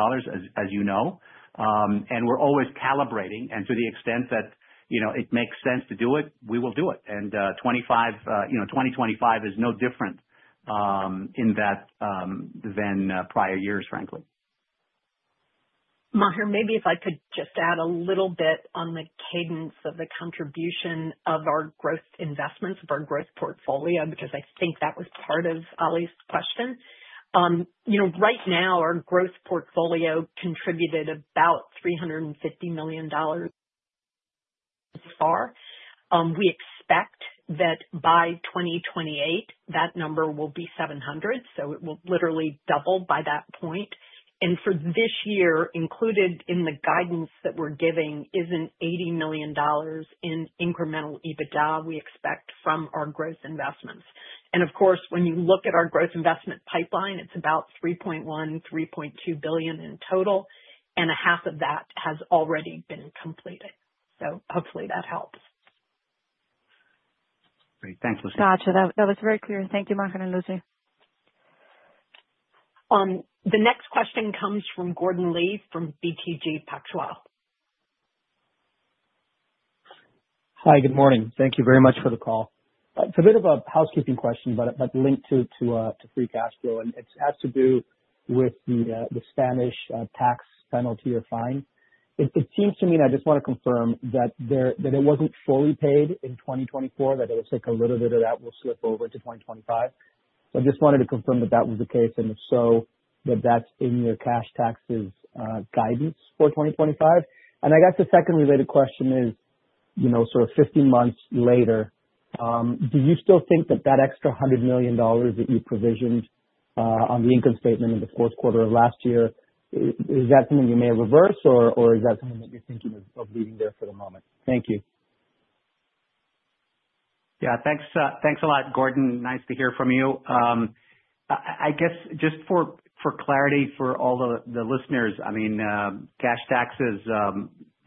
[SPEAKER 4] as you know. And we're always calibrating. And to the extent that it makes sense to do it, we will do it. 2025 is no different in that than prior years, frankly.
[SPEAKER 2] Maher, maybe if I could just add a little bit on the cadence of the contribution of our growth investments, of our growth portfolio, because I think that was part of Ali's question. Right now, our growth portfolio contributed about $350 million so far. We expect that by 2028, that number will be $700 million. So it will literally double by that point. And for this year, included in the guidance that we're giving, is $80 million in incremental EBITDA we expect from our growth investments. And of course, when you look at our growth investment pipeline, it's about $3.1-$3.2 billion in total. And half of that has already been completed. So hopefully, that helps.
[SPEAKER 7] Great. Thanks, Lucy. Gotcha.That was very clear. Thank you, Maher and Lucy.
[SPEAKER 2] The next question comes from Gordon Lee from BTG Pactual.
[SPEAKER 8] Hi, good morning. Thank you very much for the call. It's a bit of a housekeeping question, but linked to free cash flow. And it has to do with the Spanish tax penalty or fine. It seems to me, and I just want to confirm that it wasn't fully paid in 2024, that it will take a little bit of that will slip over to 2025. So I just wanted to confirm that that was the case. And if so, that that's in your cash taxes guidance for 2025. And I guess the second related question is sort of 15 months later. Do you still think that that extra $100 million that you provisioned on the income statement in the fourth quarter of last year, is that something you may reverse, or is that something that you're thinking of leaving there for the moment?
[SPEAKER 4] Thank you. Yeah, thanks a lot, Gordon. Nice to hear from you. I guess just for clarity for all the listeners, I mean, cash taxes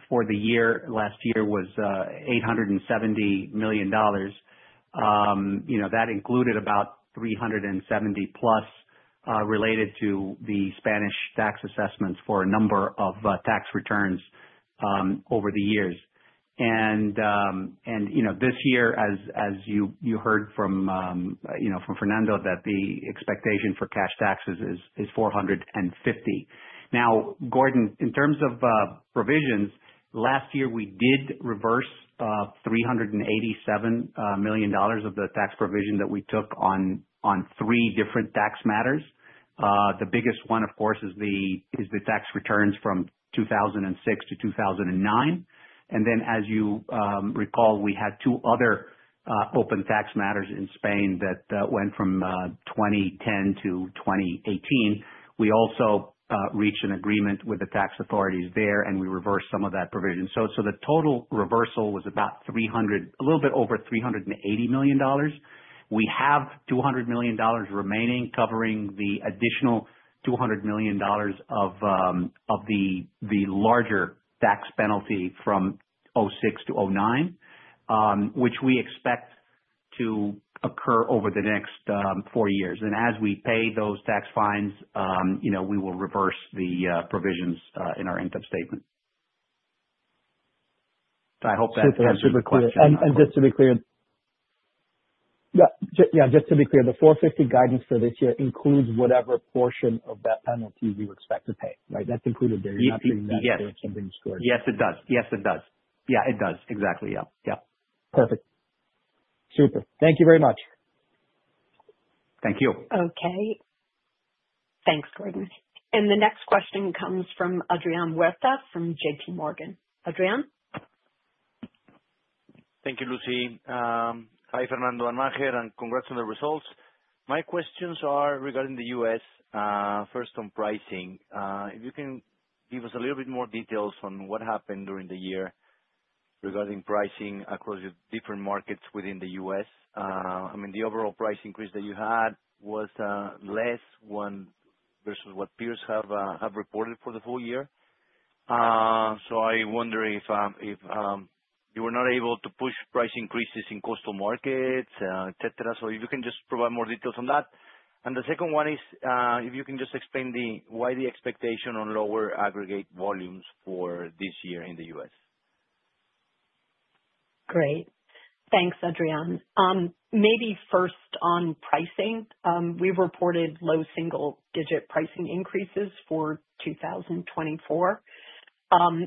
[SPEAKER 4] for the year last year was $870 million. That included about $370 million plus related to the Spanish tax assessments for a number of tax returns over the years. And this year, as you heard from Fernando, that the expectation for cash taxes is $450 million. Now, Gordon, in terms of provisions, last year, we did reverse $387 million of the tax provision that we took on three different tax matters. The biggest one, of course, is the tax returns from 2006 to 2009. Then, as you recall, we had two other open tax matters in Spain that went from 2010 to 2018. We also reached an agreement with the tax authorities there, and we reversed some of that provision. The total reversal was about a little bit over $380 million. We have $200 million remaining covering the additional $200 million of the larger tax penalty from 2006 to 2009, which we expect to occur over the next four years. As we pay those tax fines, we will reverse the provisions in our income statement. I hope that answers the question.
[SPEAKER 8] Just to be clear, yeah, yeah, just to be clear, the 450 guidance for this year includes whatever portion of that penalty you expect to pay, right? That's included there. You're not doing that to something excluded.
[SPEAKER 4] Yes, it does. Yes, it does. Yeah, it does. Exactly. Yeah. Yeah.
[SPEAKER 8] Perfect. Super. Thank you very much. Thank you.
[SPEAKER 2] Okay. Thanks, Gordon. And the next question comes from Adrian Huerta from JPMorgan. Adrian?
[SPEAKER 9] Thank you, Lucy. Hi, Fernando and Maher. And congrats on the results. My questions are regarding the U.S., first on pricing. If you can give us a little bit more details on what happened during the year regarding pricing across the different markets within the U.S. I mean, the overall price increase that you had was less versus what peers have reported for the full year. So I wonder if you were not able to push price increases in coastal markets, etc. So if you can just provide more details on that. And the second one is if you can just explain why the expectation on lower aggregate volumes for this year in the U.S. Great.
[SPEAKER 2] Thanks, Adrian. Maybe first on pricing. We reported low single-digit pricing increases for 2024.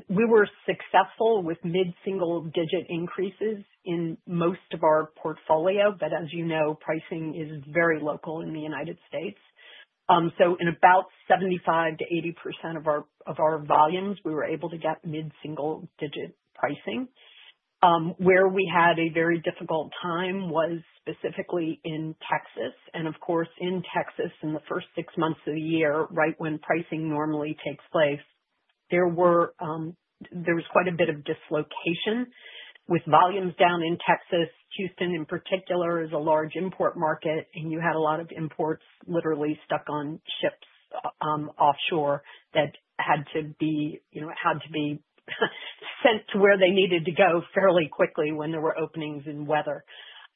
[SPEAKER 2] We were successful with mid-single-digit increases in most of our portfolio. But as you know, pricing is very local in the United States. So in about 75%-80% of our volumes, we were able to get mid-single-digit pricing. Where we had a very difficult time was specifically in Texas. And of course, in Texas, in the first six months of the year, right when pricing normally takes place, there was quite a bit of dislocation. With volumes down in Texas, Houston in particular is a large import market, and you had a lot of imports literally stuck on ships offshore that had to be sent to where they needed to go fairly quickly when there were openings in weather.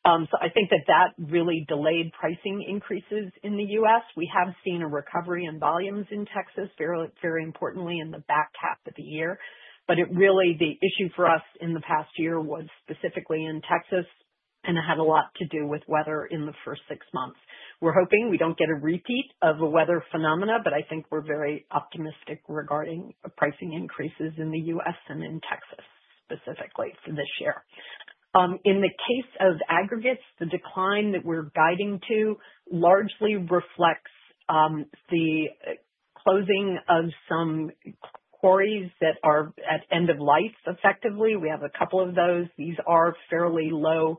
[SPEAKER 2] So I think that really delayed pricing increases in the U.S. We have seen a recovery in volumes in Texas, very importantly in the back half of the year. But really, the issue for us in the past year was specifically in Texas, and it had a lot to do with weather in the first six months. We're hoping we don't get a repeat of a weather phenomena, but I think we're very optimistic regarding pricing increases in the U.S. and in Texas specifically for this year. In the case of aggregates, the decline that we're guiding to largely reflects the closing of some quarries that are at end-of-life, effectively. We have a couple of those. These are fairly low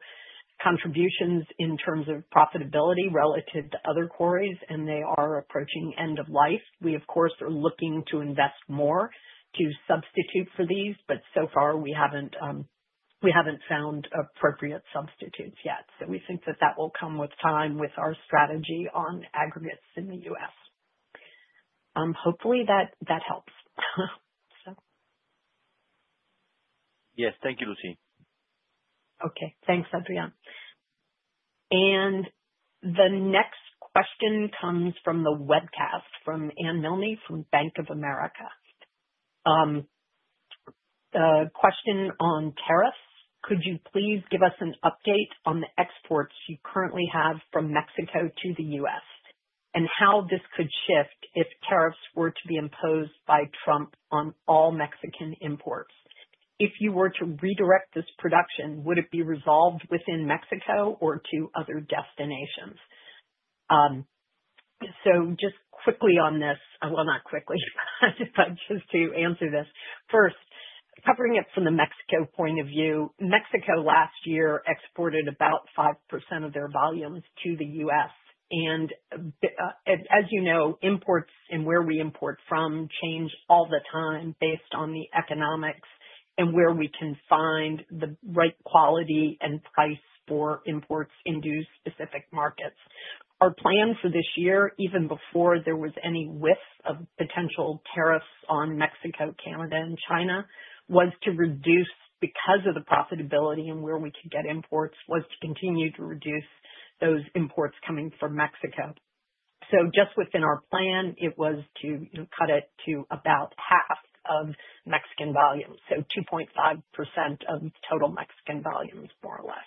[SPEAKER 2] contributions in terms of profitability relative to other quarries, and they are approaching end-of-life. We, of course, are looking to invest more to substitute for these, but so far, we haven't found appropriate substitutes yet. We think that that will come with time with our strategy on aggregates in the US. Hopefully, that helps, so.
[SPEAKER 9] Yes. Thank you, Lucy.
[SPEAKER 2] Okay. Thanks, Adrian. The next question comes from the webcast from Anne Milne from Bank of America. Question on tariffs. Could you please give us an update on the exports you currently have from Mexico to the U.S. and how this could shift if tariffs were to be imposed by Trump on all Mexican imports? If you were to redirect this production, would it be resolved within Mexico or to other destinations? Just quickly on this, well, not quickly, but just to answer this. First, covering it from the Mexico point of view, Mexico last year exported about 5% of their volumes to the U.S. As you know, imports and where we import from change all the time based on the economics and where we can find the right quality and price for imports in specific markets. Our plan for this year, even before there was any whiff of potential tariffs on Mexico, Canada, and China, was to reduce, because of the profitability and where we could get imports, was to continue to reduce those imports coming from Mexico. Just within our plan, it was to cut it to about half of Mexican volumes, so 2.5% of total Mexican volumes, more or less.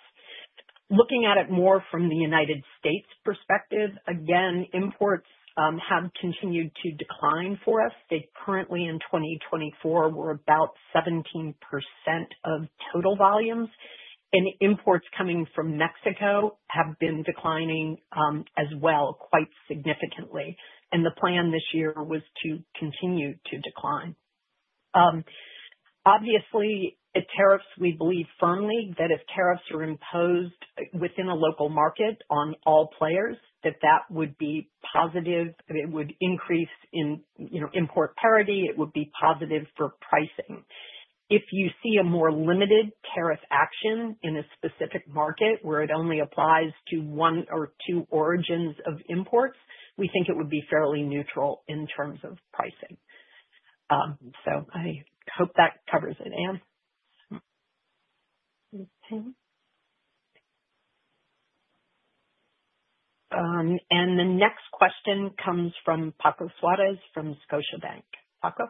[SPEAKER 2] Looking at it more from the United States perspective, again, imports have continued to decline for us. They currently, in 2024, were about 17% of total volumes. And imports coming from Mexico have been declining as well, quite significantly. The plan this year was to continue to decline. tariffs - we believe firmly that if tariffs are imposed within a local market on all players, that that would be positive. It would increase in import parity. It would be positive for pricing. If you see a more limited tariff action in a specific market where it only applies to one or two origins of imports, we think it would be fairly neutral in terms of pricing. So I hope that covers it, Anne. And the next question comes from Paco Suárez from Scotiabank. Paco?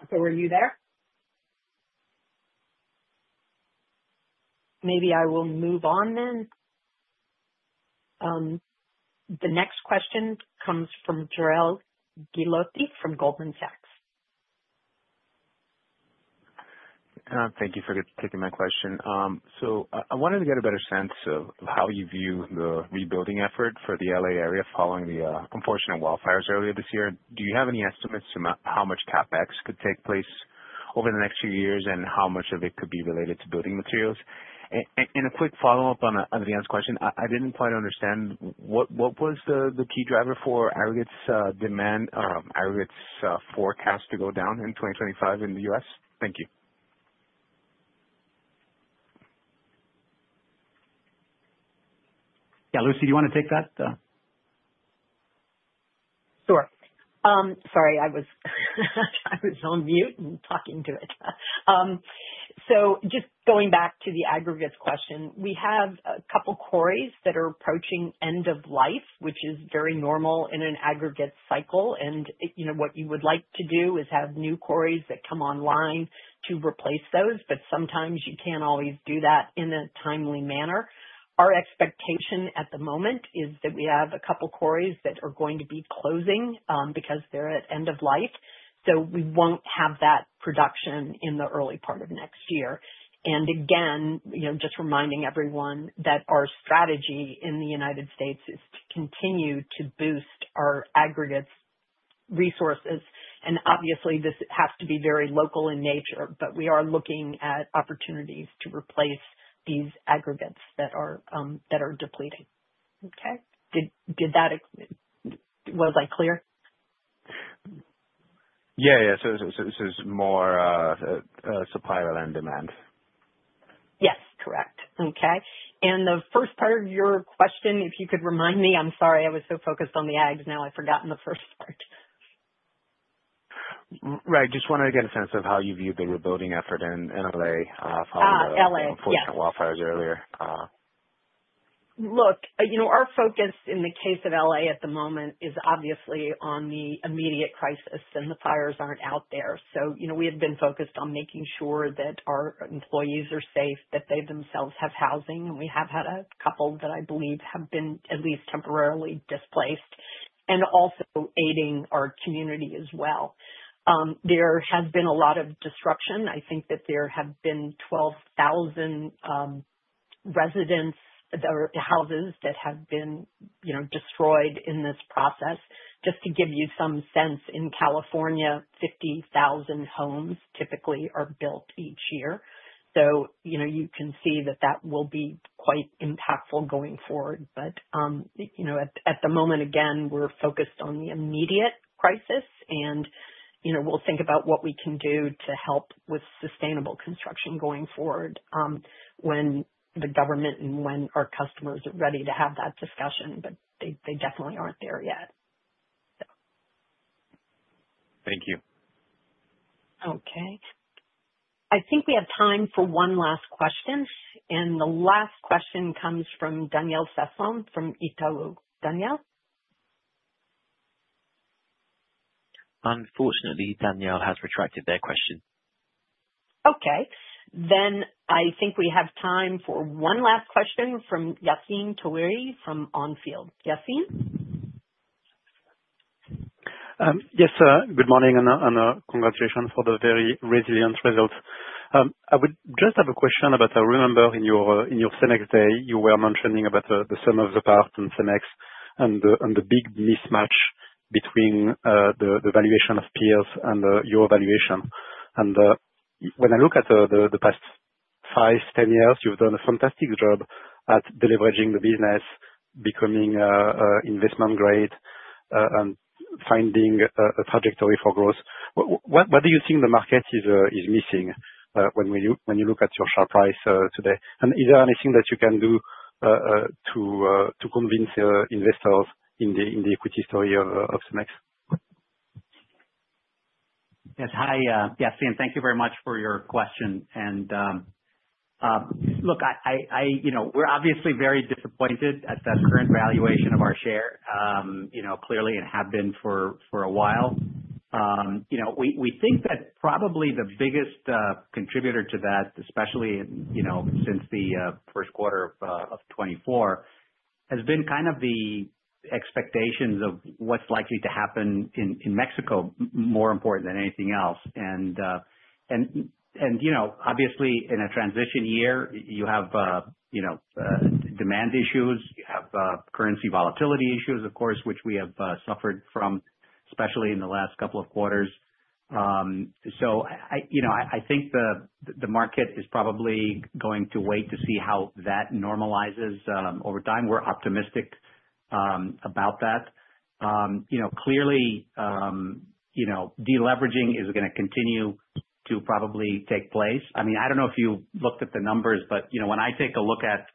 [SPEAKER 2] Paco, are you there? Maybe I will move on then. The next question comes from Jorel Guilloty from Goldman Sachs.
[SPEAKER 10] Thank you for taking my question. So I wanted to get a better sense of how you view the rebuilding effort for the LA area following the unfortunate wildfires earlier this year. Do you have any estimates of how much CapEx could take place over the next few years and how much of it could be related to building materials? And a quick follow-up on Adrian's question. I didn't quite understand. What was the key driver for aggregates demand, aggregates forecast to go down in 2025 in the U.S.? Thank you.
[SPEAKER 4] Yeah, Lucy, do you want to take that?
[SPEAKER 2] Sure. Sorry, I was on mute and talking to it. So just going back to the aggregates question, we have a couple of quarries that are approaching end-of-life, which is very normal in an aggregate cycle. And what you would like to do is have new quarries that come online to replace those. But sometimes you can't always do that in a timely manner. Our expectation at the moment is that we have a couple of quarries that are going to be closing because they're at end-of-life. So we won't have that production in the early part of next year. And again, just reminding everyone that our strategy in the United States is to continue to boost our aggregates resources. And obviously, this has to be very local in nature, but we are looking at opportunities to replace these aggregates that are depleting. Okay? Was I clear?
[SPEAKER 10] Yeah, yeah. So this is more supply than demand.
[SPEAKER 2] Yes, correct. Okay. And the first part of your question, if you could remind me, I'm sorry, I was so focused on the ags. Now I've forgotten the first part. Right.
[SPEAKER 10] Just wanted to get a sense of how you view the rebuilding effort in Los Angeles following the unfortunate wildfires earlier.
[SPEAKER 2] Look, our focus in the case of LA at the moment is obviously on the immediate crisis, and the fires aren't out there. So we have been focused on making sure that our employees are safe, that they themselves have housing. And we have had a couple that I believe have been at least temporarily displaced and also aiding our community as well. There has been a lot of disruption. I think that there have been 12,000 residents' houses that have been destroyed in this process. Just to give you some sense, in California, 50,000 homes typically are built each year. So you can see that that will be quite impactful going forward. But at the moment, again, we're focused on the immediate crisis, and we'll think about what we can do to help with sustainable construction going forward when the government and when our customers are ready to have that discussion. But they definitely aren't there yet, so.
[SPEAKER 10] Thank you.
[SPEAKER 2] Okay. I think we have time for one last question. And the last question comes from Daniel Sasson from Itaú. Daniel?
[SPEAKER 1] Unfortunately, Daniel has retracted their question.
[SPEAKER 2] Okay. Then I think we have time for one last question from Yassine Touahri from Onfield. Yassine?
[SPEAKER 11] Yes, good morning and congratulations for the very resilient results. I would just have a question about. I remember in your CEMEX Day, you were mentioning about the sum of the parts in CEMEX and the big mismatch between the valuation of peers and your valuation. When I look at the past five, 10 years, you've done a fantastic job at delivering the business, becoming investment-grade, and finding a trajectory for growth. What do you think the market is missing when you look at your share price today? And is there anything that you can do to convince investors in the equity story of CEMEX?
[SPEAKER 4] Yes. Hi, Yassine. Thank you very much for your question. And look, we're obviously very disappointed at the current valuation of our share, clearly, and have been for a while. We think that probably the biggest contributor to that, especially since the first quarter of 2024, has been kind of the expectations of what's likely to happen in Mexico more important than anything else. And obviously, in a transition year, you have demand issues. You have currency volatility issues, of course, which we have suffered from, especially in the last couple of quarters. So I think the market is probably going to wait to see how that normalizes over time. We're optimistic about that. Clearly, deleveraging is going to continue to probably take place. I mean, I don't know if you looked at the numbers, but when I take a look at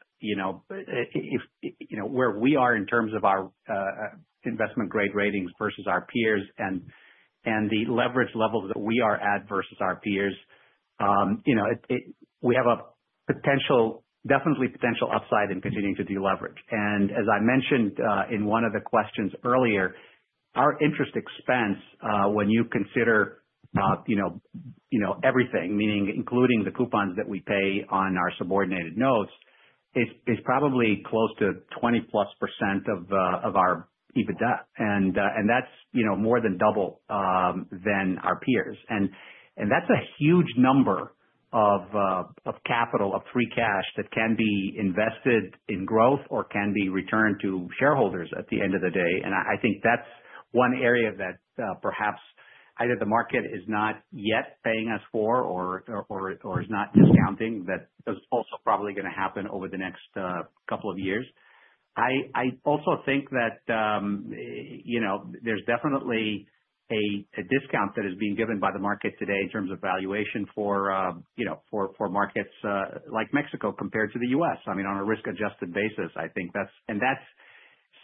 [SPEAKER 4] where we are in terms of our investment-grade ratings versus our peers and the leverage levels that we are at versus our peers, we have definitely potential upside in continuing to deleverage. And as I mentioned in one of the questions earlier, our interest expense, when you consider everything, meaning including the coupons that we pay on our subordinated notes, is probably close to 20-plus% of our EBITDA, and that's more than double than our peers. That's a huge number of capital of free cash that can be invested in growth or can be returned to shareholders at the end of the day. I think that's one area that perhaps either the market is not yet paying us for or is not discounting that is also probably going to happen over the next couple of years. I also think that there's definitely a discount that is being given by the market today in terms of valuation for markets like Mexico compared to the U.S. I mean, on a risk-adjusted basis, I think that's, and that's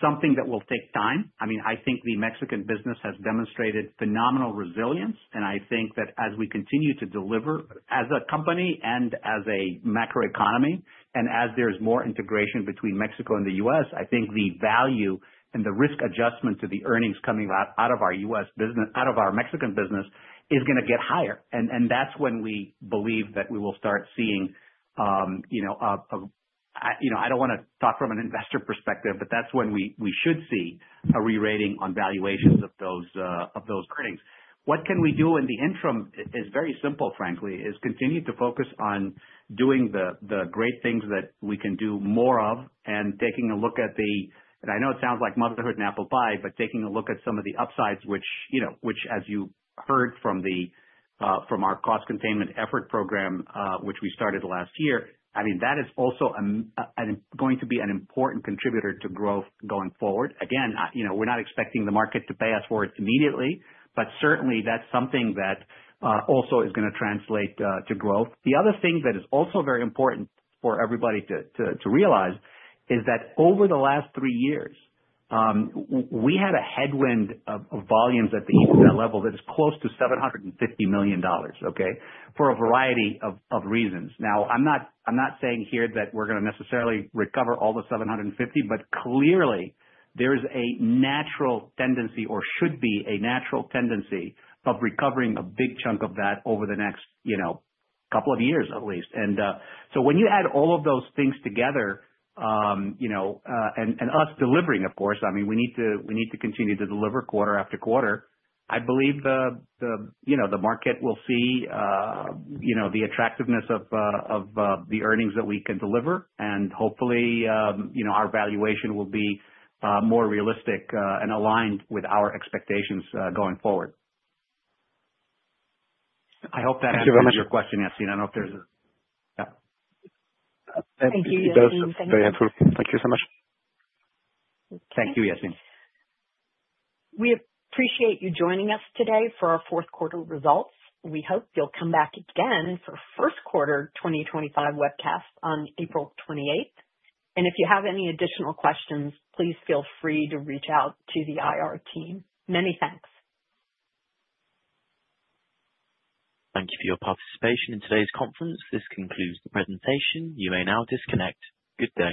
[SPEAKER 4] something that will take time. I mean, I think the Mexican business has demonstrated phenomenal resilience. And I think that as we continue to deliver as a company and as a macroeconomy and as there's more integration between Mexico and the U.S., I think the value and the risk adjustment to the earnings coming out of our U.S. business, out of our Mexican business, is going to get higher. And that's when we believe that we will start seeing a—I don't want to talk from an investor perspective, but that's when we should see a re-rating on valuations of those earnings. What can we do in the interim is very simple, frankly, is continue to focus on doing the great things that we can do more of and taking a look at the, and I know it sounds like motherhood and apple pie, but taking a look at some of the upsides, which, as you heard from our cost containment effort program, which we started last year, I mean, that is also going to be an important contributor to growth going forward. Again, we're not expecting the market to pay us for it immediately, but certainly that's something that also is going to translate to growth. The other thing that is also very important for everybody to realize is that over the last three years, we had a headwind of volumes at the EBITDA level that is close to $750 million, okay, for a variety of reasons.
[SPEAKER 3] Now, I'm not saying here that we're going to necessarily recover all the 750, but clearly, there is a natural tendency or should be a natural tendency of recovering a big chunk of that over the next couple of years, at least. And so when you add all of those things together and us delivering, of course, I mean, we need to continue to deliver quarter after quarter. I believe the market will see the attractiveness of the earnings that we can deliver. And hopefully, our valuation will be more realistic and aligned with our expectations going forward. I hope that answers your question, Yassine. I don't know if there's -
[SPEAKER 11] yeah.
[SPEAKER 2] Thank you. Yassine, thank you.
[SPEAKER 11] Thank you so much.
[SPEAKER 4] Thank you, Yassine.
[SPEAKER 2] We appreciate you joining us today for our fourth quarter results. We hope you'll come back again for first quarter 2025 webcast on April 28th. If you have any additional questions, please feel free to reach out to the IR team. Many thanks. Thank you for your participation in today's conference.
[SPEAKER 1] This concludes the presentation. You may now disconnect. Good day.